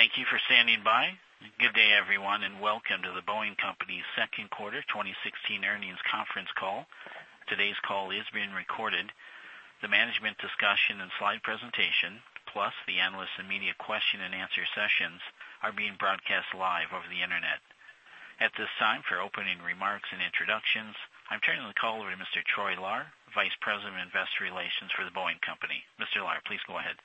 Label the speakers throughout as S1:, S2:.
S1: Thank you for standing by. Good day, everyone, and welcome to The Boeing Company's second quarter 2016 earnings conference call. Today's call is being recorded. The management discussion and slide presentation, plus the analyst and media question and answer sessions are being broadcast live over the internet. At this time, for opening remarks and introductions, I'm turning the call over to Mr. Troy Lahr, Vice President of Investor Relations for The Boeing Company. Mr. Lahr, please go ahead.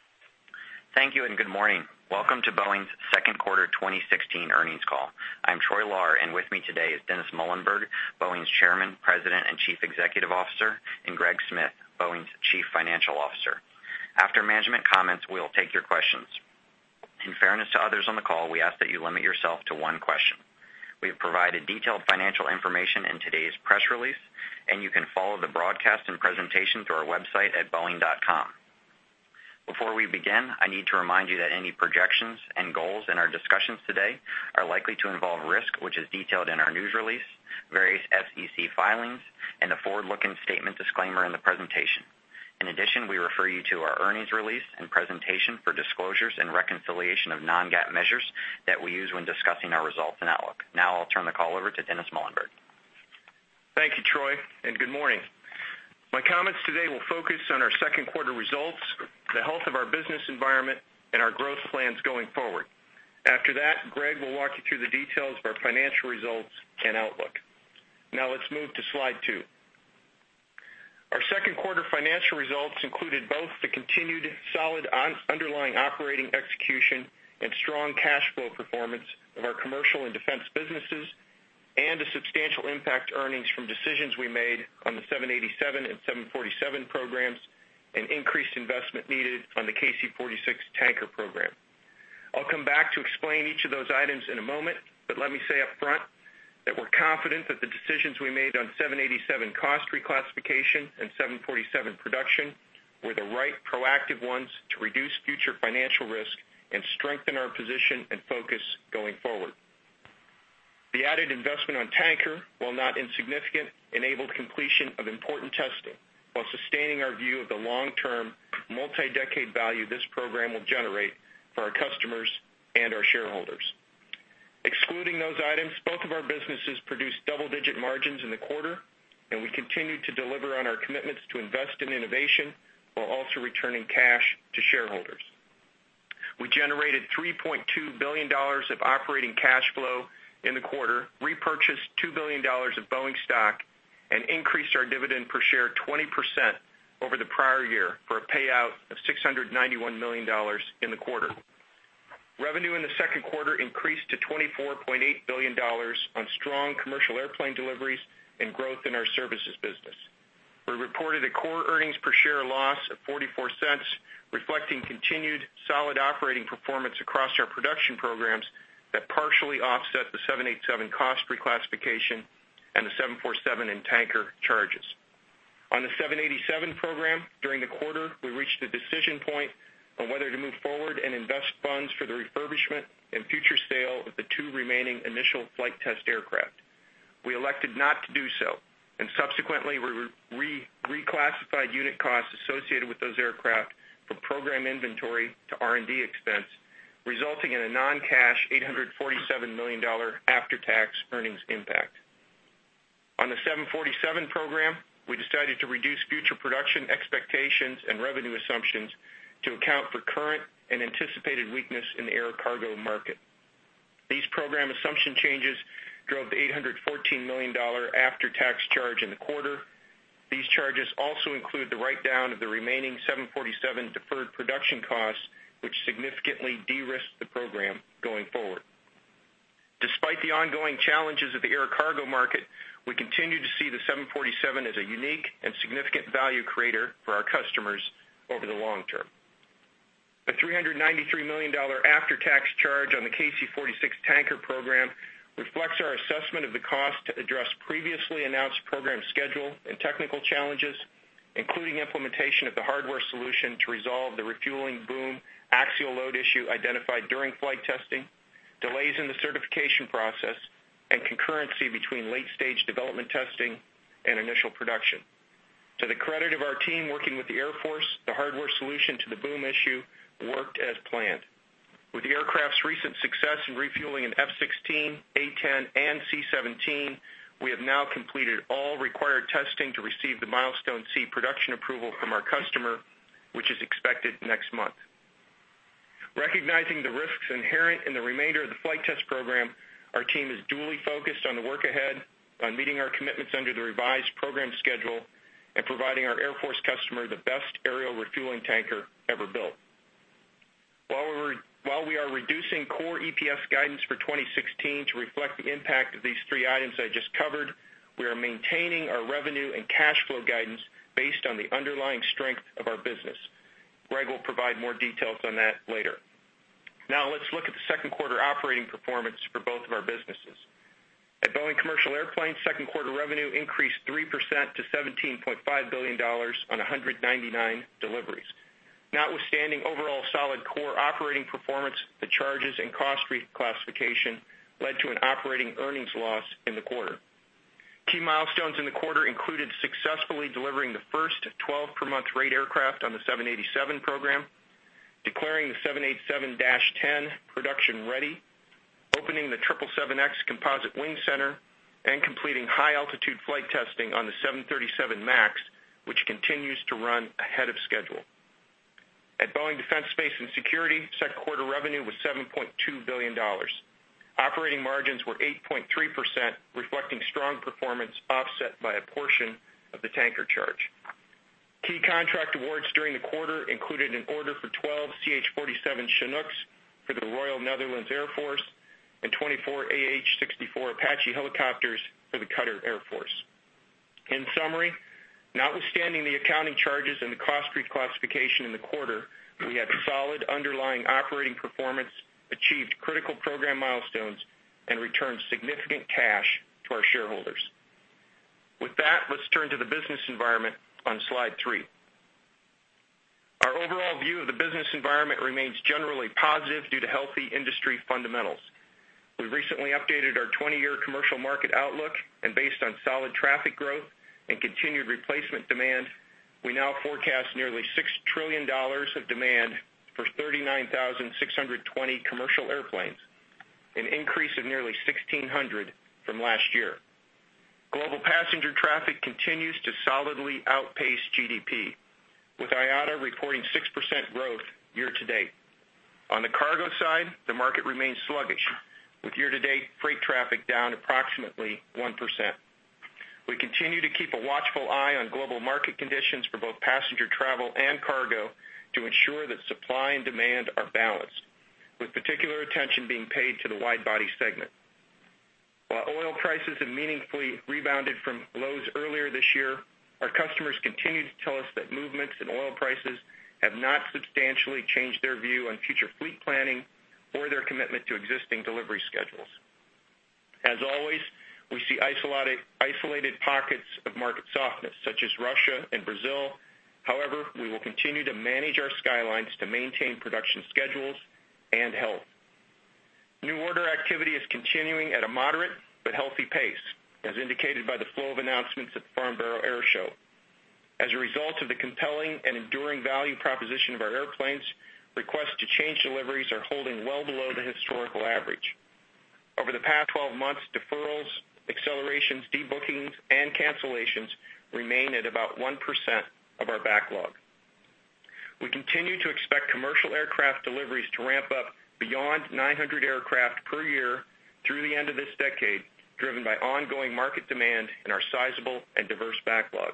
S2: Thank you. Good morning. Welcome to Boeing's second quarter 2016 earnings call. I'm Troy Lahr, and with me today is Dennis Muilenburg, Boeing's Chairman, President, and Chief Executive Officer, and Greg Smith, Boeing's Chief Financial Officer. After management comments, we'll take your questions. In fairness to others on the call, we ask that you limit yourself to one question. We have provided detailed financial information in today's press release, and you can follow the broadcast and presentation through our website at boeing.com. Before we begin, I need to remind you that any projections and goals in our discussions today are likely to involve risk, which is detailed in our news release, various SEC filings, and the forward-looking statement disclaimer in the presentation. In addition, we refer you to our earnings release and presentation for disclosures and reconciliation of non-GAAP measures that we use when discussing our results and outlook. I'll turn the call over to Dennis Muilenburg.
S3: Thank you, Troy. Good morning. My comments today will focus on our second quarter results, the health of our business environment, and our growth plans going forward. After that, Greg will walk you through the details of our financial results and outlook. Let's move to slide two. Our second quarter financial results included both the continued solid underlying operating execution and strong cash flow performance of our commercial and defense businesses, and a substantial impact to earnings from decisions we made on the 787 and 747 programs, and increased investment needed on the KC-46 Tanker program. I'll come back to explain each of those items in a moment, but let me say up front that we're confident that the decisions we made on 787 cost reclassification and 747 production were the right proactive ones to reduce future financial risk and strengthen our position and focus going forward. The added investment on Tanker, while not insignificant, enabled completion of important testing while sustaining our view of the long-term, multi-decade value this program will generate for our customers and our shareholders. Excluding those items, both of our businesses produced double-digit margins in the quarter, and we continued to deliver on our commitments to invest in innovation while also returning cash to shareholders. We generated $3.2 billion of operating cash flow in the quarter, repurchased $2 billion of Boeing stock, and increased our dividend per share 20% over the prior year, for a payout of $691 million in the quarter. Revenue in the second quarter increased to $24.8 billion on strong commercial airplane deliveries and growth in our services business. We reported a core EPS loss of $0.44, reflecting continued solid operating performance across our production programs that partially offset the 787 cost reclassification and the 747 and Tanker charges. On the 787 program, during the quarter, we reached a decision point on whether to move forward and invest funds for the refurbishment and future sale of the two remaining initial flight test aircraft. We elected not to do so, and subsequently, we reclassified unit costs associated with those aircraft from program inventory to R&D expense, resulting in a non-cash $847 million after-tax earnings impact. On the 747 program, we decided to reduce future production expectations and revenue assumptions to account for current and anticipated weakness in the air cargo market. These program assumption changes drove the $814 million after-tax charge in the quarter. These charges also include the write-down of the remaining 747 deferred production costs, which significantly de-risked the program going forward. Despite the ongoing challenges of the air cargo market, we continue to see the 747 as a unique and significant value creator for our customers over the long term. The $393 million after-tax charge on the KC-46 Tanker program reflects our assessment of the cost to address previously announced program schedule and technical challenges, including implementation of the hardware solution to resolve the refueling boom axial load issue identified during flight testing, delays in the certification process, and concurrency between late-stage development testing and initial production. To the credit of our team working with the Air Force, the hardware solution to the boom issue worked as planned. With the aircraft's recent success in refueling an F-16, A-10, and C-17, we have now completed all required testing to receive the Milestone C production approval from our customer, which is expected next month. Recognizing the risks inherent in the remainder of the flight test program, our team is dually focused on the work ahead on meeting our commitments under the revised program schedule and providing our Air Force customer the best aerial refueling tanker ever built. While we are reducing core EPS guidance for 2016 to reflect the impact of these three items I just covered, we are maintaining our revenue and cash flow guidance based on the underlying strength of our business. Greg will provide more details on that later. Now, let's look at the second quarter operating performance for both of our businesses. At Boeing Commercial Airplanes, second quarter revenue increased 3% to $17.5 billion. On 199 deliveries. Notwithstanding overall solid core operating performance, the charges and cost reclassification led to an operating earnings loss in the quarter. Key milestones in the quarter included successfully delivering the first 12 per month rate aircraft on the 787 program, declaring the 787-10 production ready, opening the 777X composite wing center, and completing high altitude flight testing on the 737 MAX, which continues to run ahead of schedule. At Boeing Defense, Space & Security, second quarter revenue was $7.2 billion. Operating margins were 8.3%, reflecting strong performance offset by a portion of the Tanker charge. Key contract awards during the quarter included an order for 12 CH-47 Chinooks for the Royal Netherlands Air Force and 24 AH-64 Apache helicopters for the Qatar Emiri Air Force. In summary, notwithstanding the accounting charges and the cost reclassification in the quarter, we had solid underlying operating performance, achieved critical program milestones, and returned significant cash to our shareholders. With that, let's turn to the business environment on slide three. Our overall view of the business environment remains generally positive due to healthy industry fundamentals. We've recently updated our 20-year commercial market outlook, and based on solid traffic growth and continued replacement demand, we now forecast nearly $6 trillion of demand for 39,620 commercial airplanes, an increase of nearly 1,600 from last year. Global passenger traffic continues to solidly outpace GDP, with IATA reporting 6% growth year-to-date. On the cargo side, the market remains sluggish, with year-to-date freight traffic down approximately 1%. We continue to keep a watchful eye on global market conditions for both passenger travel and cargo to ensure that supply and demand are balanced, with particular attention being paid to the wide-body segment. While oil prices have meaningfully rebounded from lows earlier this year, our customers continue to tell us that movements in oil prices have not substantially changed their view on future fleet planning or their commitment to existing delivery schedules. As always, we see isolated pockets of market softness, such as Russia and Brazil. We will continue to manage our skylines to maintain production schedules and health. New order activity is continuing at a moderate but healthy pace, as indicated by the flow of announcements at the Farnborough Air Show. As a result of the compelling and enduring value proposition of our airplanes, requests to change deliveries are holding well below the historical average. Over the past 12 months, deferrals, accelerations, de-bookings, and cancellations remain at about 1% of our backlog. We continue to expect commercial aircraft deliveries to ramp up beyond 900 aircraft per year through the end of this decade, driven by ongoing market demand and our sizable and diverse backlog.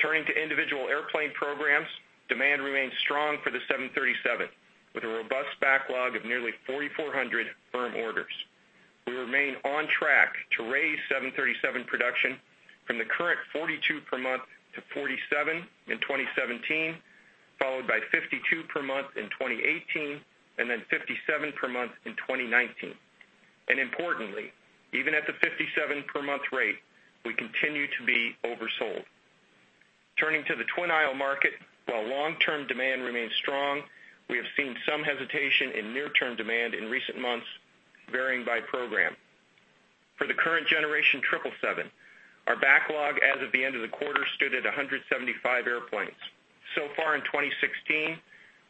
S3: Turning to individual airplane programs, demand remains strong for the 737, with a robust backlog of nearly 4,400 firm orders. We remain on track to raise 737 production from the current 42 per month to 47 in 2017, followed by 52 per month in 2018, and then 57 per month in 2019. Importantly, even at the 57 per month rate, we continue to be oversold. Turning to the twin-aisle market, while long-term demand remains strong, we have seen some hesitation in near-term demand in recent months, varying by program. For the current generation 777, our backlog as of the end of the quarter stood at 175 airplanes. So far in 2016,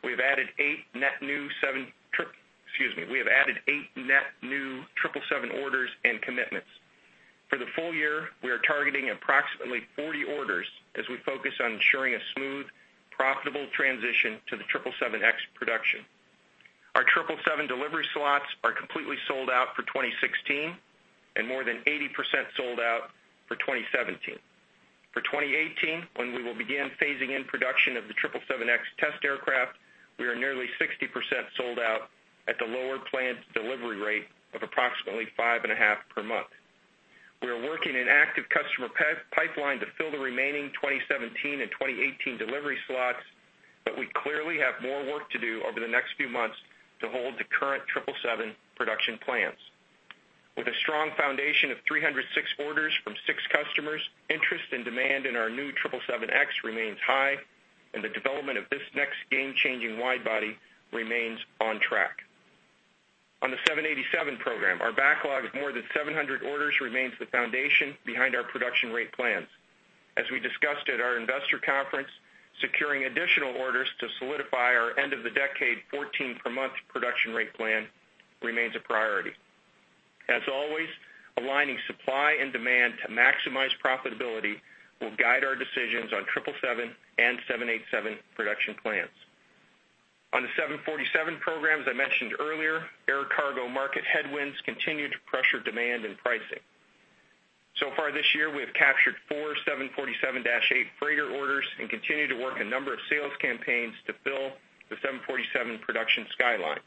S3: we have added eight net new 777 orders and commitments. For the full year, we are targeting approximately 40 orders as we focus on ensuring a smooth, profitable transition to the 777X production. Our 777 delivery slots are completely sold out for 2016 and more than 80% sold out for 2017. For 2018, when we will begin phasing in production of the 777X test aircraft, we are nearly 60% sold out at the lower planned delivery rate of approximately 5.5 per month. We are working an active customer pipeline to fill the remaining 2017 and 2018 delivery slots. We clearly have more work to do over the next few months to hold the current 777 production plans. With a strong foundation of 306 orders from six customers, interest and demand in our new 777X remains high, and the development of this next game-changing wide body remains on track. On the 787 program, our backlog of more than 700 orders remains the foundation behind our production rate plans. As we discussed at our investor conference, securing additional orders to solidify our end of the decade 14 per month production rate plan remains a priority. As always, aligning supply and demand to maximize profitability will guide our decisions on 777 and 787 production plans. On the 747 programs I mentioned earlier, air cargo market headwinds continue to pressure demand and pricing. So far this year, we have captured four 747-8 freighter orders and continue to work a number of sales campaigns to fill the 747 production skyline.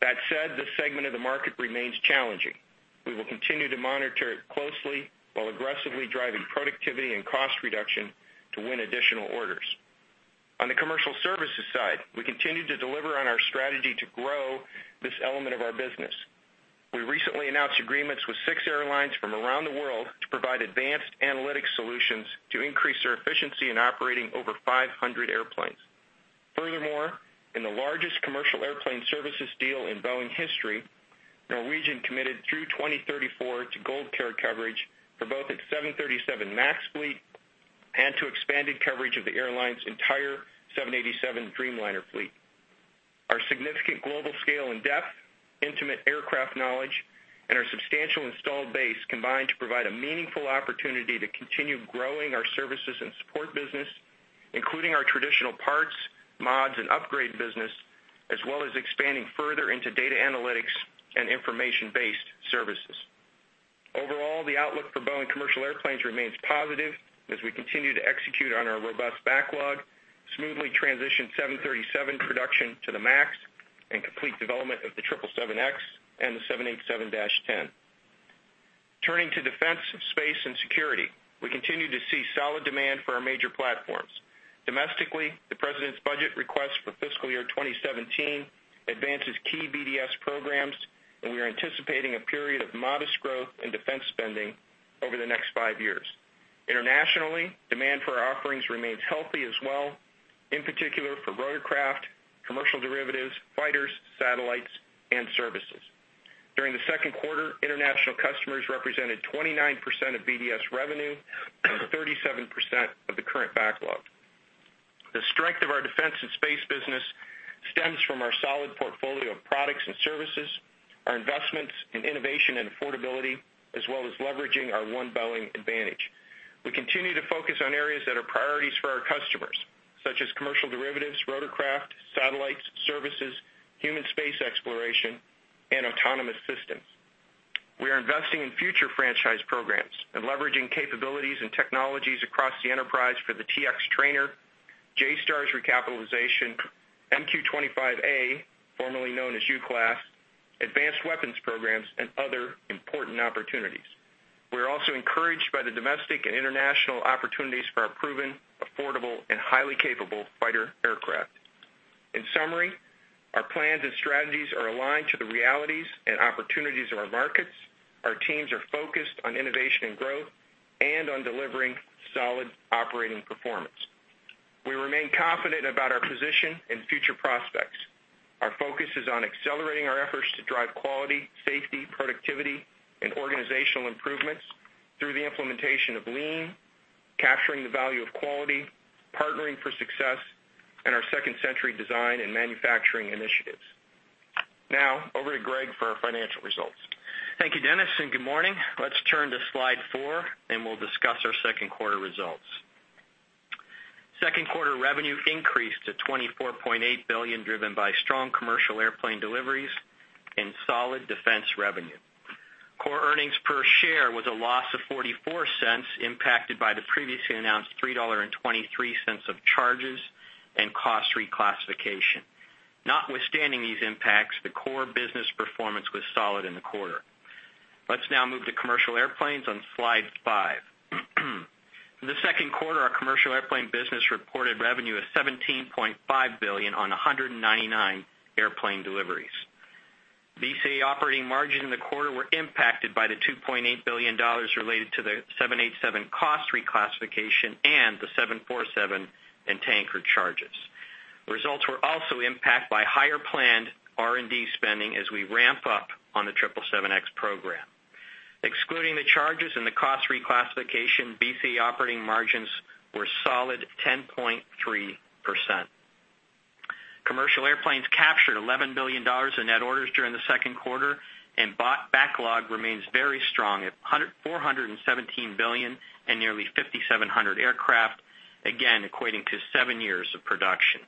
S3: That said, this segment of the market remains challenging. We will continue to monitor it closely while aggressively driving productivity and cost reduction to win additional orders. Continue to deliver on our strategy to grow this element of our business. We recently announced agreements with six airlines from around the world to provide advanced analytics solutions to increase their efficiency in operating over 500 airplanes. Furthermore, in the largest commercial airplane services deal in Boeing history, Norwegian committed through 2034 to GoldCare coverage for both its 737 MAX fleet and to expanded coverage of the airline's entire 787 Dreamliner fleet. Our significant global scale and depth, intimate aircraft knowledge, and our substantial installed base combine to provide a meaningful opportunity to continue growing our services and support business, including our traditional parts, mods, and upgrade business, as well as expanding further into data analytics and information-based services. Overall, the outlook for Boeing Commercial Airplanes remains positive as we continue to execute on our robust backlog, smoothly transition 737 production to the MAX, and complete development of the 777X and the 787-10. Turning to Defense, Space & Security, we continue to see solid demand for our major platforms. Domestically, the president's budget request for fiscal year 2017 advances key BDS programs. We are anticipating a period of modest growth in defense spending over the next five years. Internationally, demand for our offerings remains healthy as well, in particular for rotorcraft, commercial derivatives, fighters, satellites, and services. During the second quarter, international customers represented 29% of BDS revenue and 37% of the current backlog. The strength of our Defense and Space business stems from our solid portfolio of products and services, our investments in innovation and affordability, as well as leveraging our One Boeing advantage. We continue to focus on areas that are priorities for our customers, such as commercial derivatives, rotorcraft, satellites, services, human space exploration, and autonomous systems. We are investing in future franchise programs and leveraging capabilities and technologies across the enterprise for the T-X trainer, JSTARS recapitalization, MQ-25A, formerly known as UCLASS, advanced weapons programs, and other important opportunities. We are also encouraged by the domestic and international opportunities for our proven, affordable, and highly capable fighter aircraft. In summary, our plans and strategies are aligned to the realities and opportunities of our markets. Our teams are focused on innovation and growth and on delivering solid operating performance. We remain confident about our position and future prospects. Our focus is on accelerating our efforts to drive quality, safety, productivity, and organizational improvements through the implementation of Lean, capturing the value of quality, Partnering for Success, and our second-century design and manufacturing initiatives. Over to Greg for our financial results.
S4: Thank you, Dennis, and good morning. Let's turn to slide four and we will discuss our second quarter results. Second quarter revenue increased to $24.8 billion, driven by strong commercial airplane deliveries and solid defense revenue. Core earnings per share was a loss of $0.44, impacted by the previously announced $3.23 of charges and cost reclassification. Notwithstanding these impacts, the core business performance was solid in the quarter. Let's now move to commercial airplanes on slide five. In the second quarter, our commercial airplane business reported revenue of $17.5 billion on 199 airplane deliveries. BCA operating margin in the quarter were impacted by the $2.8 billion related to the 787 cost reclassification and the 747 and Tanker charges. Results were also impacted by higher planned R&D spending as we ramp up on the 777X program. Excluding the charges and the cost reclassification, BCA operating margins were a solid 10.3%. Commercial Airplanes captured $11 billion in net orders during the second quarter, and backlog remains very strong at $417 billion and nearly 5,700 aircraft, again, equating to seven years of production.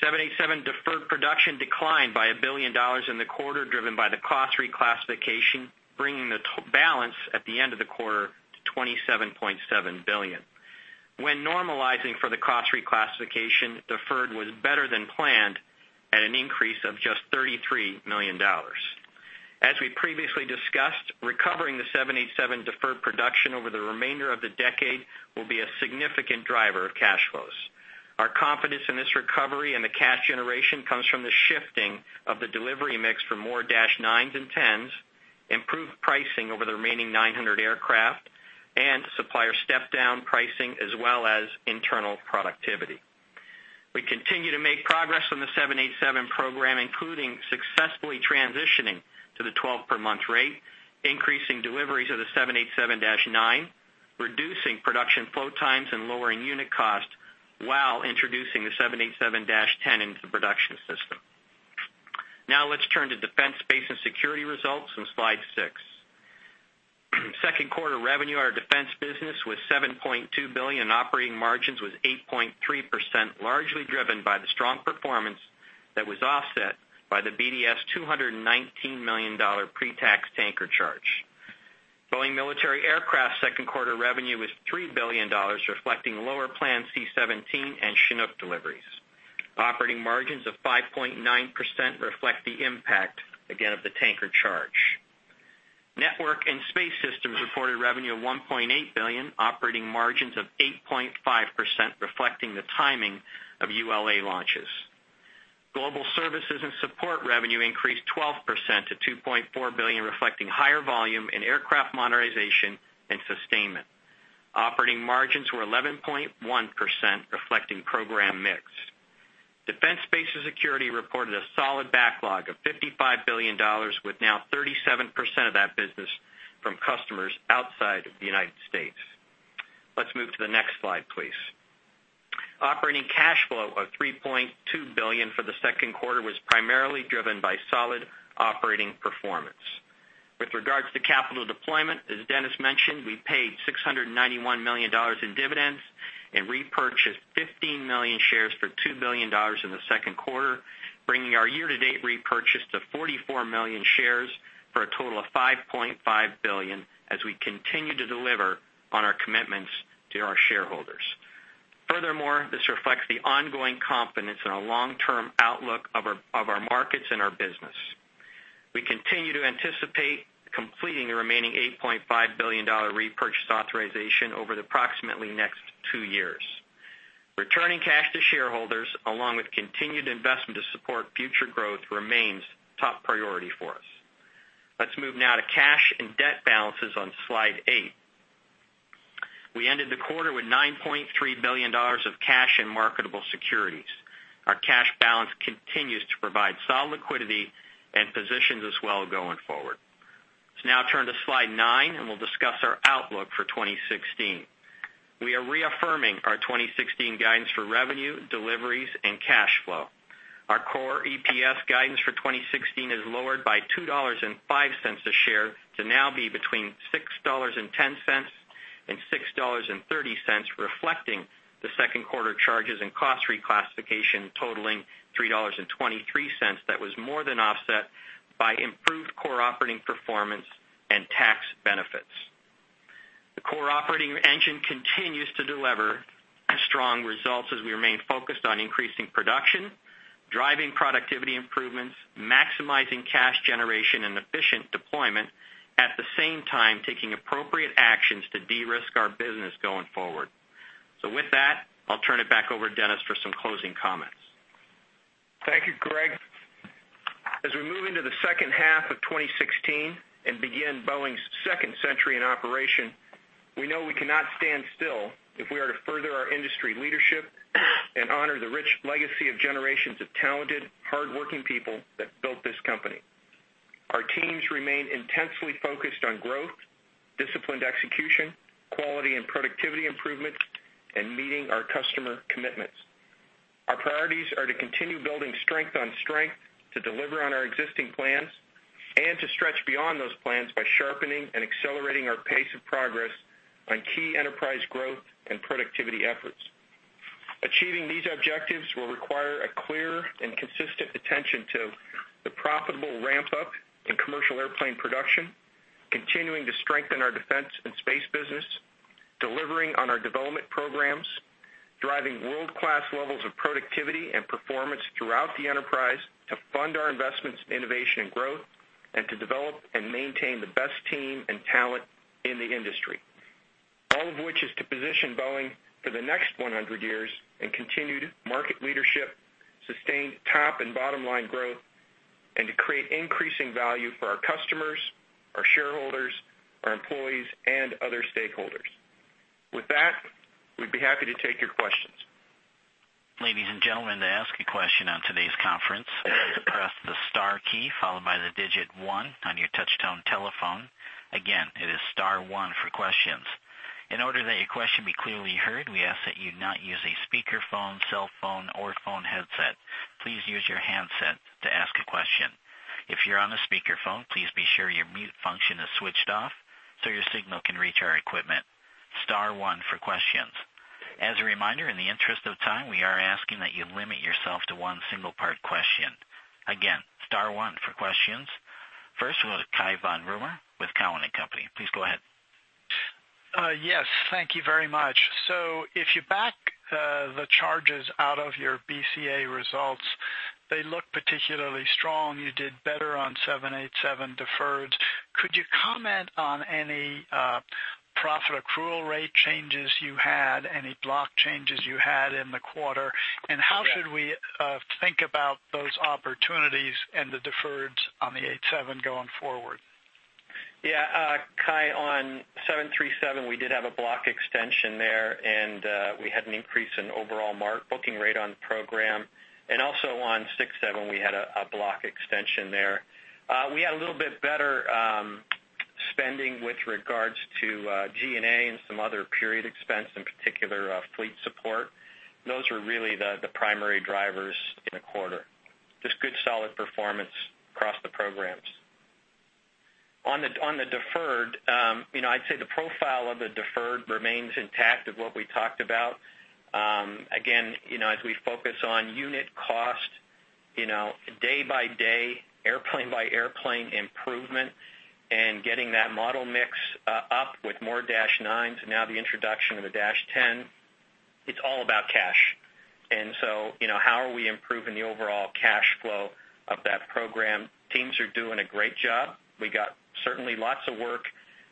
S4: 787 deferred production declined by $1 billion in the quarter, driven by the cost reclassification, bringing the balance at the end of the quarter to $27.7 billion. When normalizing for the cost reclassification, deferred was better than planned at an increase of just $33 million. As we previously discussed, recovering the 787 deferred production over the remainder of the decade will be a significant driver of cash flows. Our confidence in this recovery and the cash generation comes from the shifting of the delivery mix for more dash 9s and 10s, improved pricing over the remaining 900 aircraft, and supplier step-down pricing, as well as internal productivity. We continue to make progress on the 787 program, including successfully transitioning to the 12-per-month rate, increasing deliveries of the 787-9, reducing production flow times and lowering unit cost while introducing the 787-10 into the production system. Let's turn to Defense, Space & Security results on slide six. Second quarter revenue at our defense business was $7.2 billion, and operating margins were 8.3%, largely driven by the strong performance that was offset by the BDS $219 million pre-tax Tanker charge. Boeing Military Aircraft second quarter revenue was $3 billion, reflecting lower planned C-17 and Chinook deliveries. Operating margins of 5.9% reflect the impact, again, of the Tanker charge. Network and Space Systems reported revenue of $1.8 billion, operating margins of 8.5%, reflecting the timing of ULA launches. Global Services & Support revenue increased 12% to $2.4 billion, reflecting higher volume in aircraft modernization and sustainment. Operating margins were 11.1%, reflecting program mix. Defense, Space & Security reported a solid backlog of $55 billion with 37% of that business from customers outside of the United States. Let's move to the next slide, please. Operating cash flow of $3.2 billion for the second quarter was primarily driven by solid operating performance. With regards to capital deployment, as Dennis mentioned, we paid $691 million in dividends and repurchased 15 million shares for $2 billion in the second quarter, bringing our year-to-date repurchase to 44 million shares for a total of $5.5 billion, as we continue to deliver on our commitments to our shareholders. This reflects the ongoing confidence in our long-term outlook of our markets and our business. We continue to anticipate completing the remaining $8.5 billion repurchase authorization over the approximately next two years. Returning cash to shareholders, along with continued investment to support future growth, remains top priority for us. Let's move now to cash and debt balances on Slide eight. We ended the quarter with $9.3 billion of cash in marketable securities. Our cash balance continues to provide solid liquidity and positions us well going forward. Let's now turn to Slide nine, and we'll discuss our outlook for 2016. We are reaffirming our 2016 guidance for revenue, deliveries, and cash flow. Our core EPS guidance for 2016 is lowered by $2.05 a share to now be between $6.10 and $6.30, reflecting the second quarter charges and cost reclassification totaling $3.23, that was more than offset by improved core operating performance and tax benefits. The core operating engine continues to deliver strong results as we remain focused on increasing production, driving productivity improvements, maximizing cash generation, and efficient deployment, at the same time, taking appropriate actions to de-risk our business going forward. With that, I'll turn it back over to Dennis for some closing comments.
S3: Thank you, Greg. As we move into the second half of 2016 and begin Boeing's second century in operation, we know we cannot stand still if we are to further our industry leadership and honor the rich legacy of generations of talented, hardworking people that built this company. Our teams remain intensely focused on growth, disciplined execution, quality and productivity improvement, and meeting our customer commitments. Our priorities are to continue building strength on strength, to deliver on our existing plans, and to stretch beyond those plans by sharpening and accelerating our pace of progress on key enterprise growth and productivity efforts. Achieving these objectives will require a clear and consistent attention to the profitable ramp-up in commercial airplane production, continuing to strengthen our defense and space business, delivering on our development programs, driving world-class levels of productivity and performance throughout the enterprise to fund our investments in innovation and growth, and to develop and maintain the best team and talent in the industry. All of which is to position Boeing for the next 100 years in continued market leadership, sustained top and bottom-line growth, and to create increasing value for our customers, our shareholders, our employees, and other stakeholders. With that, we'd be happy to take your questions.
S1: Ladies and gentlemen, to ask a question on today's conference, press the star key followed by the digit 1 on your touch-tone telephone. Again, it is star 1 for questions. In order that your question be clearly heard, we ask that you not use a speakerphone, cell phone, or phone headset. Please use your handset to ask a question. If you're on a speakerphone, please be sure your mute function is switched off so your signal can reach our equipment. Star 1 for questions. As a reminder, in the interest of time, we are asking that you limit yourself to 1 single part question. Again, star 1 for questions. First, we'll go to Cai von Rumohr with Cowen and Company. Please go ahead.
S5: Yes, thank you very much. If you back the charges out of your BCA results, they look particularly strong. You did better on 787 deferreds. Could you comment on any profit accrual rate changes you had, any block changes you had in the quarter? How should we think about those opportunities and the deferreds on the 87 going forward?
S4: Yeah, Cai, on 737, we did have a block extension there, we had an increase in overall booking rate on the program. Also on 767, we had a block extension there. We had a little bit better spending with regards to G&A and some other period expense, in particular, fleet support. Those were really the primary drivers in the quarter. Just good, solid performance across the programs. On the deferred, I'd say the profile of the deferred remains intact of what we talked about. Again, as we focus on unit cost, day-by-day, airplane-by-airplane improvement and getting that model mix up with more Dash 9s and now the introduction of the Dash 10, it's all about cash. How are we improving the overall cash flow of that program? Teams are doing a great job. We got certainly lots of work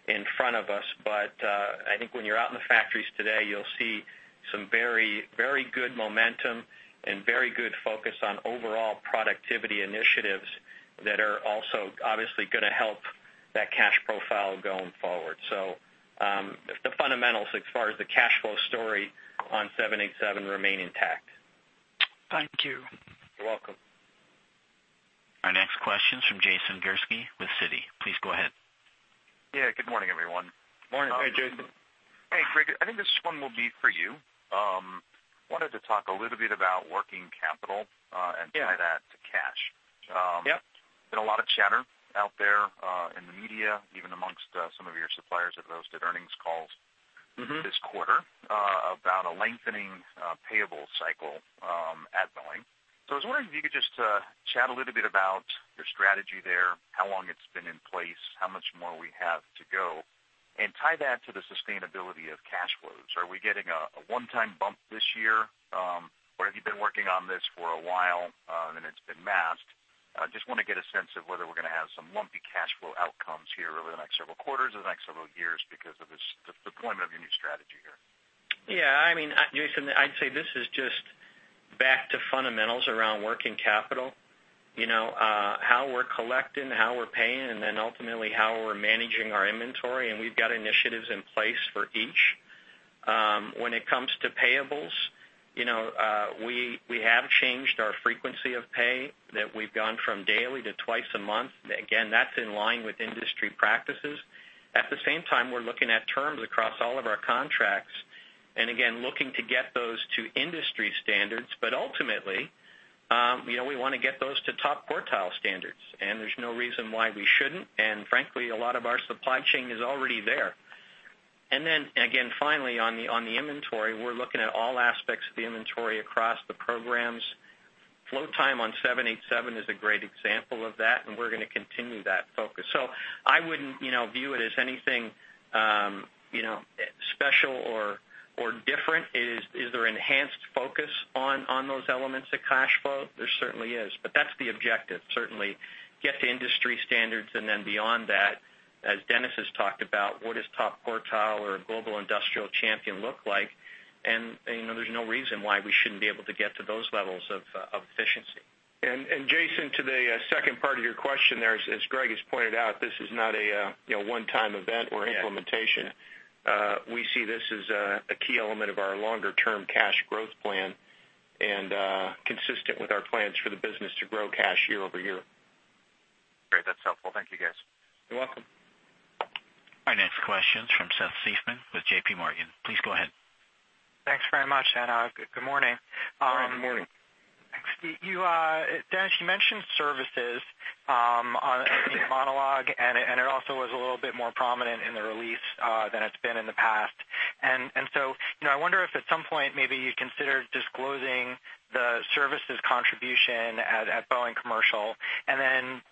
S4: in front of us, I think when you're out in the factories today, you'll see some very good momentum and very good focus on overall productivity initiatives that are also obviously going to help that cash profile going forward. The fundamentals as far as the cash flow story on 787 remain intact.
S3: Thank you.
S4: You're welcome.
S1: Our next question's from Jason Gursky with Citi. Please go ahead.
S6: Yeah, good morning, everyone.
S4: Morning.
S3: Hey, Jason.
S6: Hey, Greg. I think this one will be for you. Wanted to talk a little bit about working capital.
S4: Yeah
S6: and tie that to cash.
S4: Yep.
S6: Been a lot of chatter out there, in the media, even amongst some of your suppliers that have hosted earnings calls- this quarter, about a lengthening payable cycle at Boeing. I was wondering if you could just chat a little bit about your strategy there, how long it's been in place, how much more we have to go, and tie that to the sustainability of cash flows. Are we getting a one-time bump this year? Have you been working on this for a while, and it's been masked? I just want to get a sense of whether we're going to have some lumpy cash flow outcomes here over the next several quarters or the next several years because of the deployment of your new strategy here.
S4: Yeah. Jason, I'd say this is just back to fundamentals around working capital. How we're collecting, how we're paying, ultimately how we're managing our inventory, and we've got initiatives in place for each. When it comes to payables, we have changed our frequency of pay that we've gone from daily to twice a month. Again, that's in line with industry practices. At the same time, we're looking at terms across all of our contracts, again, looking to get those to industry standards. Ultimately, we want to get those to top quartile standards, there's no reason why we shouldn't, frankly, a lot of our supply chain is already there. Finally, on the inventory, we're looking at all aspects of the inventory across the programs. Flow time on 787 is a great example of that, and we're going to continue that focus. I wouldn't view it as anything special or different. Is there enhanced focus on those elements of cash flow? There certainly is, but that's the objective. Certainly get to industry standards, then beyond that, as Dennis has talked about, what does top quartile or a global industrial champion look like? There's no reason why we shouldn't be able to get to those levels of efficiency.
S3: Jason, to the second part of your question there, as Greg has pointed out, this is not a one-time event or implementation.
S6: Yeah.
S3: We see this as a key element of our longer-term cash growth plan and consistent with our plans for the business to grow cash year-over-year.
S6: Great. That's helpful. Thank you, guys.
S3: You're welcome.
S1: Our next question's from Seth Seifman with JP Morgan. Please go ahead.
S7: Thanks very much, and good morning.
S4: Good morning.
S7: Thanks. Dennis, you mentioned services on the monologue. It also was a little bit more prominent in the release than it's been in the past. I wonder if at some point maybe you consider disclosing the services contribution at Boeing Commercial.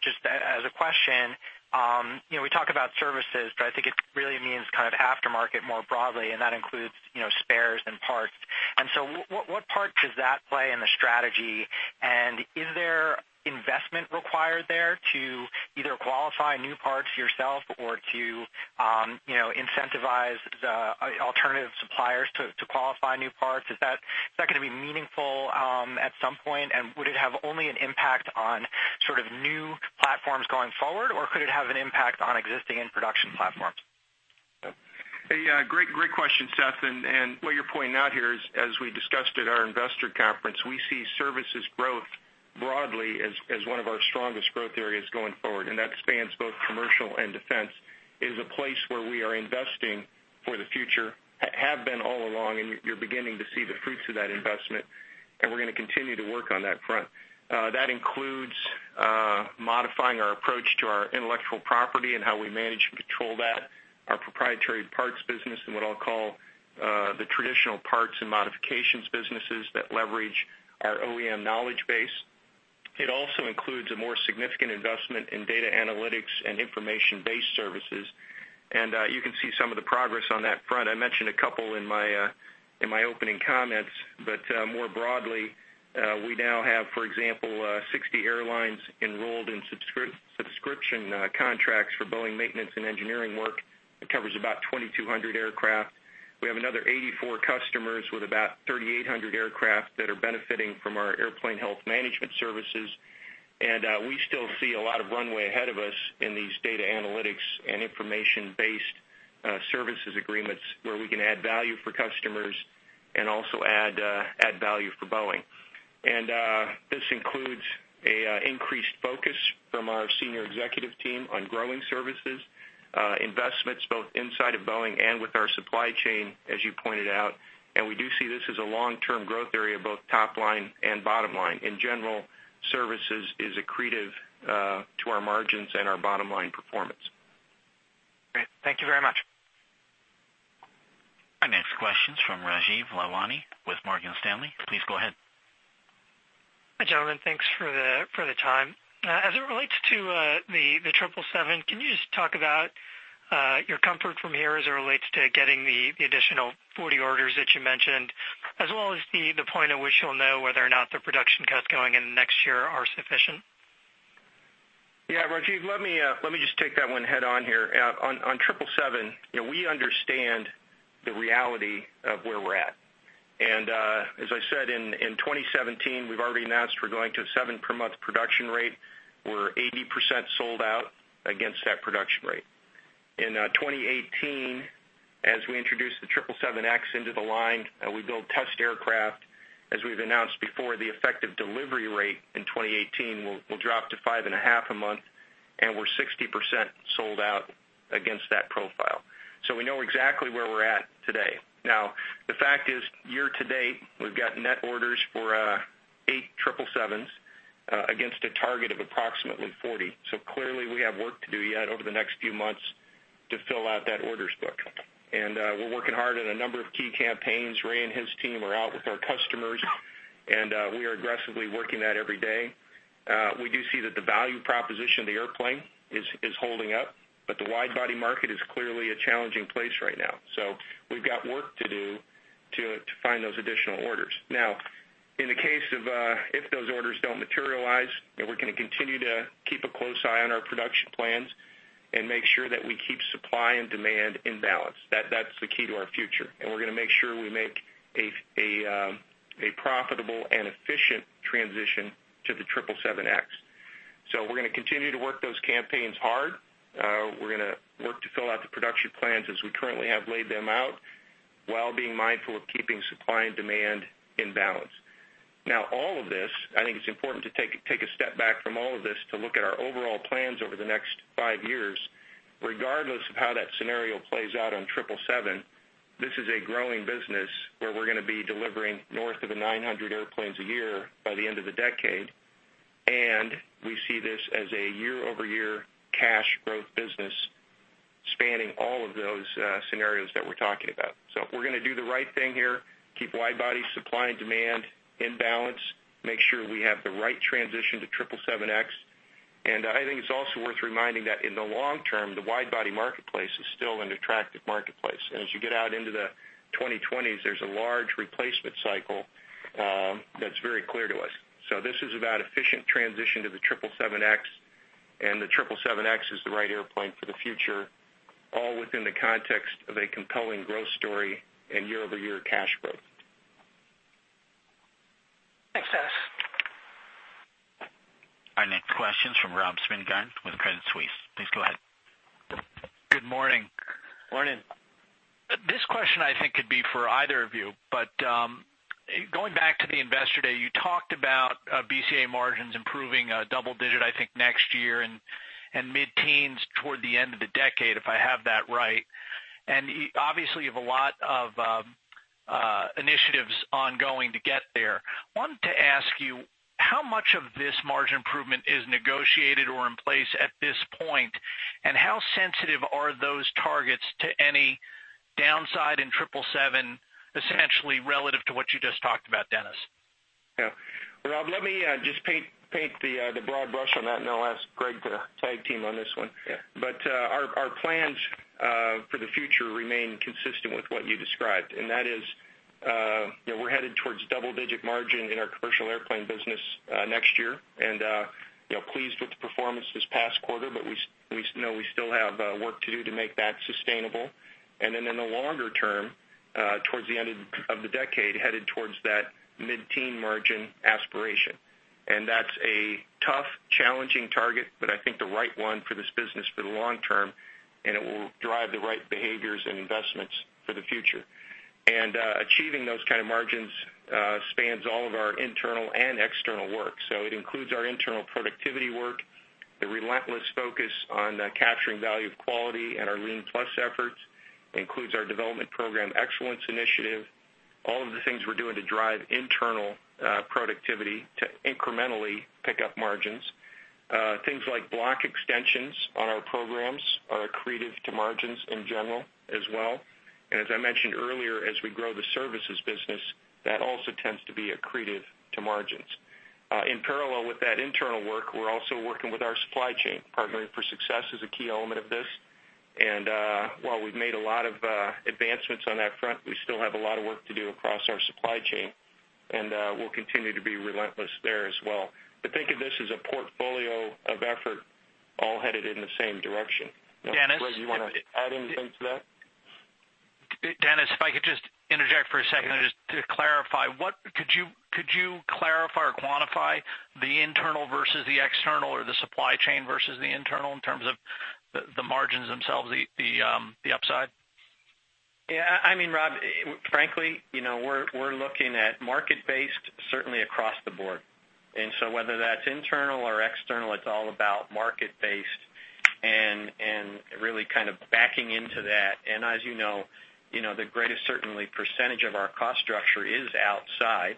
S7: Just as a question, we talk about services, but I think it really means kind of aftermarket more broadly, and that includes spares and parts. What part does that play in the strategy, and is there investment required there to either qualify new parts yourself or to incentivize the alternative suppliers to qualify new parts? Is that going to be meaningful at some point, and would it have only an impact on sort of new platforms going forward, or could it have an impact on existing in-production platforms?
S3: Yeah. Great question, Seth. What you're pointing out here is, as we discussed at our investor conference, we see services growth broadly as one of our strongest growth areas going forward. That spans both commercial and Defense. It is a place where we are investing for the future, have been all along, you're beginning to see the fruits of that investment, we're going to continue to work on that front. That includes modifying our approach to our intellectual property and how we manage and control that, our proprietary parts business and what I'll call the traditional parts and modifications businesses that leverage our OEM knowledge base. It also includes a more significant investment in data analytics and information-based services. You can see some of the progress on that front. I mentioned a couple in my opening comments. More broadly, we now have, for example, 60 airlines enrolled in subscription contracts for Boeing maintenance and engineering work. It covers about 2,200 aircraft. We have another 84 customers with about 3,800 aircraft that are benefiting from our airplane health management services. We still see a lot of runway ahead of us in these data analytics and information-based services agreements where we can add value for customers and also add value for Boeing. This includes an increased focus from our senior executive team on growing services, investments both inside of Boeing and with our supply chain, as you pointed out, we do see this as a long-term growth area, both top line and bottom line. In general, services is accretive to our margins and our bottom-line performance.
S7: Great. Thank you very much.
S1: Our next question's from Rajeev Lalwani with Morgan Stanley. Please go ahead.
S8: Hi, gentlemen. Thanks for the time. As it relates to the 777, can you just talk about your comfort from here as it relates to getting the additional 40 orders that you mentioned, as well as the point at which you'll know whether or not the production cuts going into next year are sufficient?
S3: Yeah, Rajeev, let me just take that one head-on here. On 777, we understand the reality of where we're at. As I said, in 2017, we've already announced we're going to a seven per month production rate. We're 80% sold out against that production rate. In 2018, as we introduce the 777X into the line, we build test aircraft. As we've announced before, the effective delivery rate in 2018 will drop to five and a half a month, and we're 60% sold out against that profile. We know exactly where we're at today. Now, the fact is, year to date, we've got net orders for eight 777s, against a target of approximately 40. Clearly we have work to do yet over the next few months to fill out that orders book. We're working hard on a number of key campaigns. Ray and his team are out with our customers, we are aggressively working that every day. We do see that the value proposition of the airplane is holding up, the wide body market is clearly a challenging place right now. We've got work to do to find those additional orders. Now, in the case of if those orders don't materialize, we're going to continue to keep a close eye on our production plans and make sure that we keep supply and demand in balance. That's the key to our future, we're going to make sure we make a profitable and efficient transition to the 777X. We're going to continue to work those campaigns hard. We're going to work to fill out the production plans as we currently have laid them out, while being mindful of keeping supply and demand in balance. all of this, I think it's important to take a step back from all of this to look at our overall plans over the next 5 years, regardless of how that scenario plays out on 777. This is a growing business where we're going to be delivering north of 900 airplanes a year by the end of the decade, and we see this as a year-over-year cash growth business spanning all of those scenarios that we're talking about. We're going to do the right thing here, keep wide body supply and demand in balance, make sure we have the right transition to 777X. I think it's also worth reminding that in the long term, the wide body marketplace is still an attractive marketplace. As you get out into the 2020s, there's a large replacement cycle that's very clear to us. This is about efficient transition to the 777X, the 777X is the right airplane for the future, all within the context of a compelling growth story and year-over-year cash growth.
S8: Thanks, Dennis.
S1: Our next question is from Rob Spingarn with Credit Suisse. Please go ahead.
S9: Good morning.
S3: Morning.
S9: Going back to the investor day, you talked about BCA margins improving double digit, I think, next year and mid-teens toward the end of the decade, if I have that right. Obviously, you have a lot of initiatives ongoing to get there. Wanted to ask you, how much of this margin improvement is negotiated or in place at this point, and how sensitive are those targets to any downside in 777, essentially relative to what you just talked about, Dennis?
S3: Yeah. Rob, let me just paint the broad brush on that, and I'll ask Greg to tag team on this one.
S4: Yeah.
S3: Our plans for the future remain consistent with what you described, and that is we're headed towards double-digit margin in our commercial airplane business next year. Pleased with the performance this past quarter, but we know we still have work to do to make that sustainable. Then in the longer term, towards the end of the decade, headed towards that mid-teen margin aspiration. That's a tough, challenging target, but I think the right one for this business for the long term, and it will drive the right behaviors and investments for the future. Achieving those kind of margins spans all of our internal and external work. It includes our internal productivity work, the relentless focus on capturing value of quality, and our Lean+ efforts. It includes our development program excellence initiative, all of the things we're doing to drive internal productivity to incrementally pick up margins. Things like block extensions on our programs are accretive to margins in general as well. As I mentioned earlier, as we grow the services business, that also tends to be accretive to margins. In parallel with that internal work, we're also working with our supply chain. Partnering for Success is a key element of this. While we've made a lot of advancements on that front, we still have a lot of work to do across our supply chain, and we'll continue to be relentless there as well. Think of this as a portfolio of effort all headed in the same direction.
S9: Dennis-
S3: Greg, you want to add anything to that?
S9: Dennis, if I could just interject for a second just to clarify. Could you clarify or quantify the internal versus the external or the supply chain versus the internal in terms of the margins themselves, the upside?
S4: Yeah. Rob, frankly, we're looking at market-based certainly across the board. Whether that's internal or external, it's all about market-based and really kind of backing into that. As you know, the greatest certainly percentage of our cost structure is outside,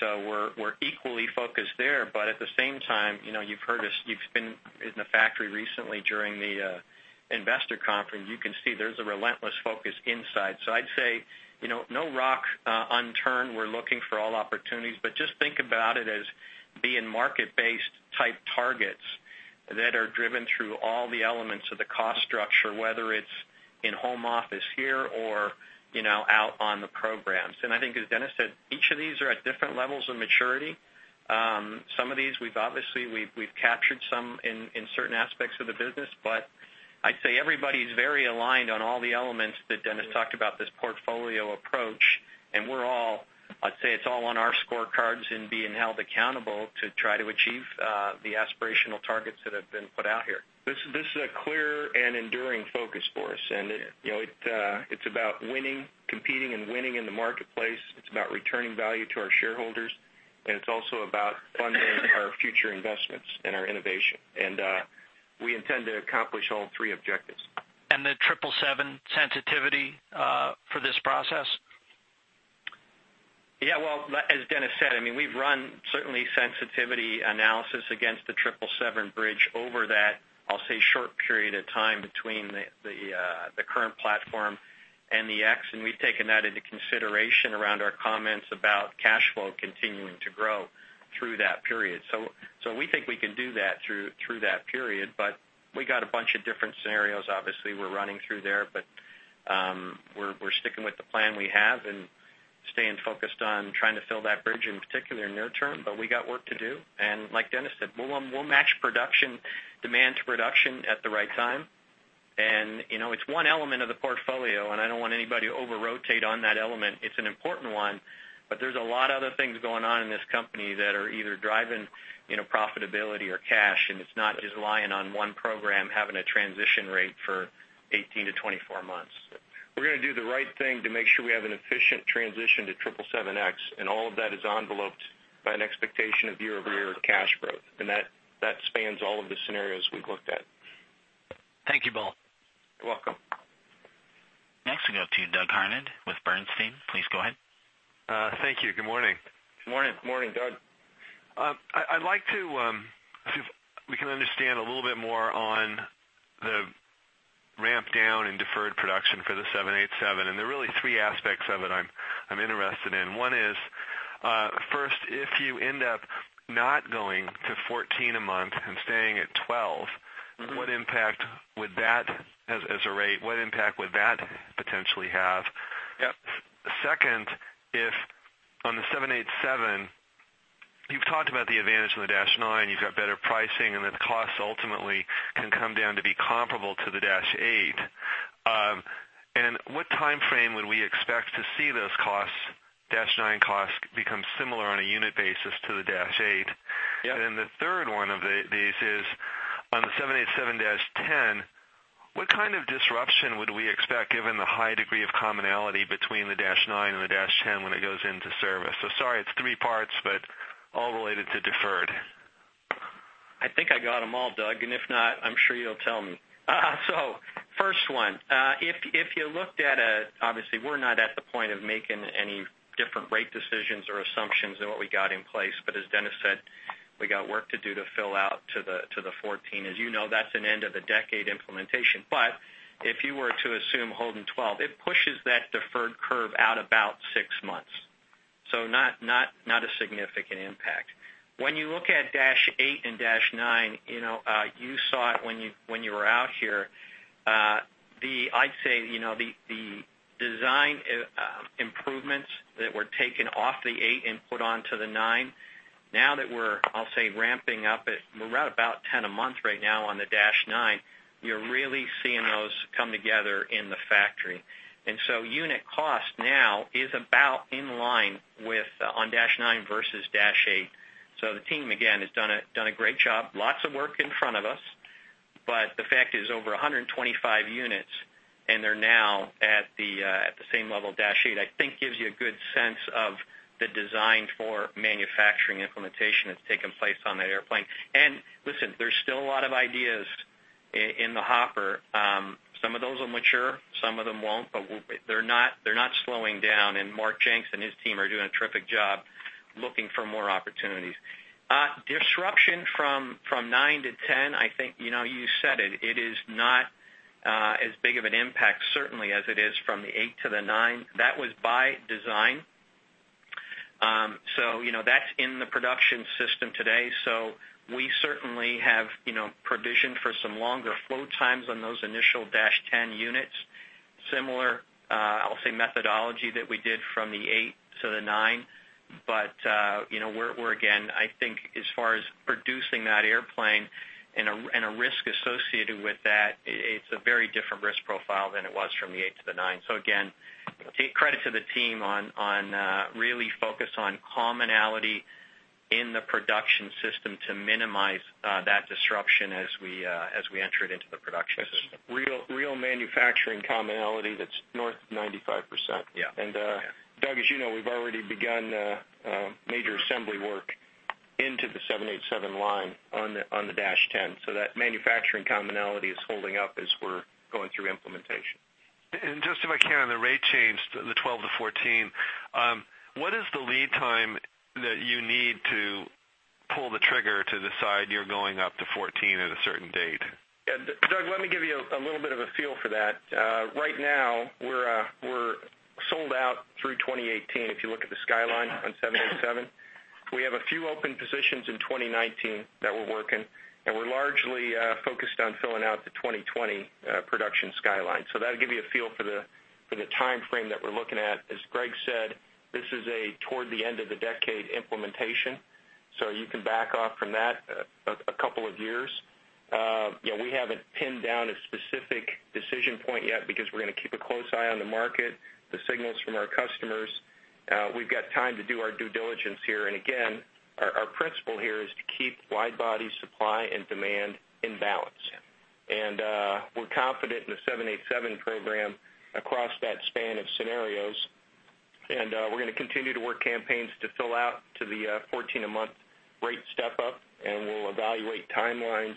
S4: so we're equally focused there. At the same time, you've been in the factory recently during the investor conference, you can see there's a relentless focus inside. I'd say no rock unturned. We're looking for all opportunities, but just think about it as being market-based type targets that are driven through all the elements of the cost structure, whether it's in home office here or out on the programs. I think, as Dennis said, each of these are at different levels of maturity. Some of these, obviously, we've captured some in certain aspects of the business, but I'd say everybody's very aligned on all the elements that Dennis talked about, this portfolio approach. I'd say it's all on our scorecards and being held accountable to try to achieve the aspirational targets that have been put out here.
S3: This is a clear and enduring focus for us. It's about competing and winning in the marketplace. It's about returning value to our shareholders, and it's also about funding our future investments and our innovation. We intend to accomplish all three objectives.
S9: The 777 sensitivity for this process?
S4: Yeah. Well, as Dennis said, we've run, certainly, sensitivity analysis against the 777 bridge over that, I'll say, short period of time between the current platform and the X, and we've taken that into consideration around our comments about cash flow continuing to grow through that period. We think we can do that through that period, but we got a bunch of different scenarios, obviously, we're running through there. We're sticking with the plan we have and staying focused on trying to fill that bridge, in particular near term, but we got work to do. Like Dennis said, we'll match demand to production at the right time. It's one element of the portfolio, and I don't want anybody to over-rotate on that element. It's an important one, there's a lot of other things going on in this company that are either driving profitability or cash, it's not just relying on one program having a transition rate for 18-24 months.
S3: We're going to do the right thing to make sure we have an efficient transition to 777X, all of that is enveloped by an expectation of year-over-year cash growth. That spans all of the scenarios we've looked at.
S9: Thank you both.
S3: You're welcome.
S1: Next, we go to Doug Harned with Bernstein. Please go ahead.
S10: Thank you. Good morning.
S4: Good morning.
S3: Morning, Doug.
S10: I'd like to see if we can understand a little bit more on the ramp down in deferred production for the 787, and there are really three aspects of it I'm interested in. One is, first, if you end up not going to 14 a month and staying at 12- as a rate, what impact would that potentially have?
S4: Yep.
S10: Second, if on the 787, you've talked about the advantage on the Dash 9, you've got better pricing, and that the costs ultimately can come down to be comparable to the Dash 8. What timeframe would we expect to see those Dash 9 costs become similar on a unit basis to the Dash 8?
S4: Yeah.
S10: The third one of these is, on the 787-10, what kind of disruption would we expect given the high degree of commonality between the Dash 9 and the Dash 10 when it goes into service? Sorry, it's three parts, but all related to deferred.
S4: I think I got them all, Doug. If not, I'm sure you'll tell me. First one, obviously we're not at the point of making any different rate decisions or assumptions than what we got in place, but as Dennis said, we got work to do to fill out to the 14. As you know, that's an end of the decade implementation. If you were to assume holding 12, it pushes that deferred curve out about six months. Not a significant impact. When you look at Dash Eight and Dash Nine, you saw it when you were out here. I'd say, the design improvements that were taken off the Eight and put onto the Nine, now that we're, I'll say, ramping up at, we're right about 10 a month right now on the Dash Nine, we are really seeing those come together in the factory. Unit cost now is about in line on Dash Nine versus Dash Eight. The team, again, has done a great job. Lots of work in front of us, but the fact is over 125 units, and they're now at the same level as Dash Eight, I think gives you a good sense of the design for manufacturing implementation that's taken place on that airplane. Listen, there's still a lot of ideas in the hopper. Some of those will mature, some of them won't, but they're not slowing down, and Mark Jenks and his team are doing a terrific job looking for more opportunities. Disruption from Nine to 10, I think you said it is not as big of an impact, certainly as it is from the Eight to the Nine. That was by design. That's in the production system today, we certainly have provisioned for some longer flow times on those initial Dash 10 units. Similar, I'll say, methodology that we did from the Eight to the Nine, we're again, I think as far as producing that airplane and a risk associated with that, it's a very different risk profile than it was from the Eight to the Nine. Again, take credit to the team on really focus on commonality in the production system to minimize that disruption as we enter it into the production system.
S3: It's real manufacturing commonality that's north of 95%.
S4: Yeah.
S3: Doug, as you know, we've already begun major assembly work into the 787 line on the Dash 10. That manufacturing commonality is holding up as we're going through implementation.
S10: Just if I can, on the rate change, the 12 to 14, what is the lead time that you need to pull the trigger to decide you're going up to 14 at a certain date?
S3: Let me give you a little bit of a feel for that. Right now, we're sold out through 2018, if you look at the skyline on 787. We have a few open positions in 2019 that we're working, and we're largely focused on filling out the 2020 production skyline. That'll give you a feel for the timeframe that we're looking at. As Greg said, this is a toward-the-end-of-the-decade implementation, so you can back off from that a couple of years. We haven't pinned down a specific decision point yet because we're going to keep a close eye on the market, the signals from our customers. We've got time to do our due diligence here, and again, our principle here is to keep wide-body supply and demand in balance. We're confident in the 787 program across that span of scenarios, and we're going to continue to work campaigns to fill out to the 14 a month rate step-up, and we'll evaluate timelines